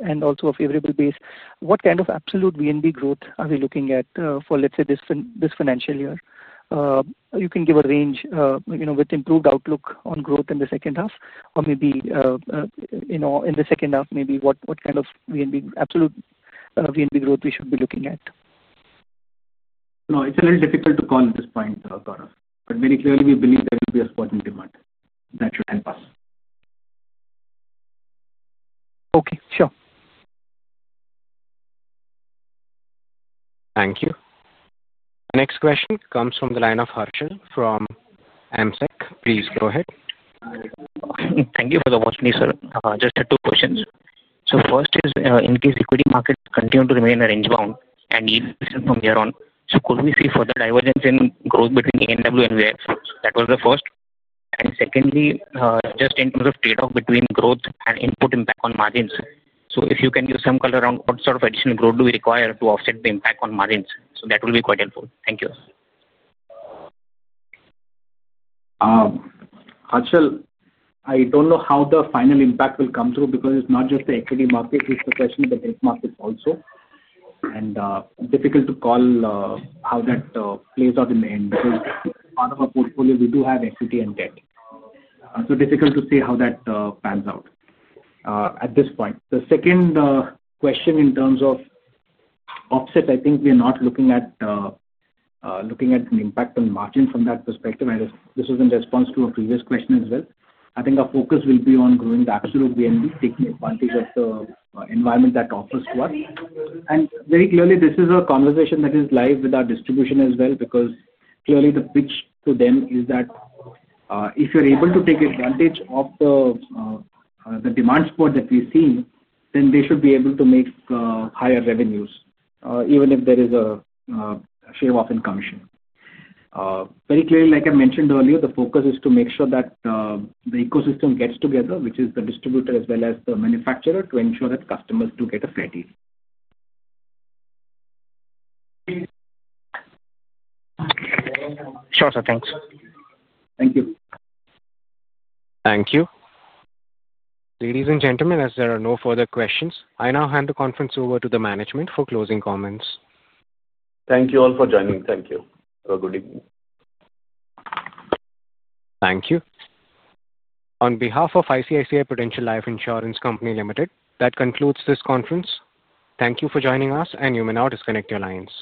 and also a favorable base, what kind of absolute VNB growth are we looking at for, let's say, this financial year? You can give a range with improved outcomes, outlook on growth in the second half or maybe in the second half. What kind of absolute VNB growth should we be looking at? No, it's a little difficult to call at this point, Gaurav, but very clearly we believe there will be a spot in demand that should help us. Okay, sure. Thank you. Next question comes from the line of Harshal from AMSEC. Please go ahead. Thank you for the opportunity, sir. Just had two questions. First is in case equity market continue to remain range bound and eastern from here on, could we see further divergence in growth between A and W&VF? That was the first, and secondly, just in terms of trade-off between growth and input impact on margins, if you can give some color on what sort of additional growth do we require to offset the impact on margins, that will be quite helpful. Thank you. Harshal. I don't know how the final impact will come through because it's not just the equity market, it's the question of the debt market also, and difficult to call how that plays out in the end of our portfolio. We do have equity and debt, so difficult to see how that pans out at this point. The second question in terms of offset, I think we're not looking at an impact on margin from that perspective. This was in response to a previous question as well. I think our focus will be on growing the absolute VNB, taking advantage of the environment that offers to us. Very clearly, this is a conversation that is live with our distribution as well because clearly the pitch to them is that if you're able to take advantage of the demand spot that we see, then they should be able to make higher revenues even if there is a shave off in commission. Very clearly, like I mentioned earlier, the focus is to make sure that the ecosystem gets together, which is the distributor as well as the manufacturer, to ensure that customers do get a fair deal. Shorter things. Thank you. Thank you, ladies and gentlemen. As there are no further questions, I now hand the conference over to the management for closing comments. Thank you all for joining. Thank you. Have a good evening. Thank you. On behalf of ICICI Prudential Life Insurance Company Limited, that concludes this conference. Thank you for joining us and you may now disconnect your lines.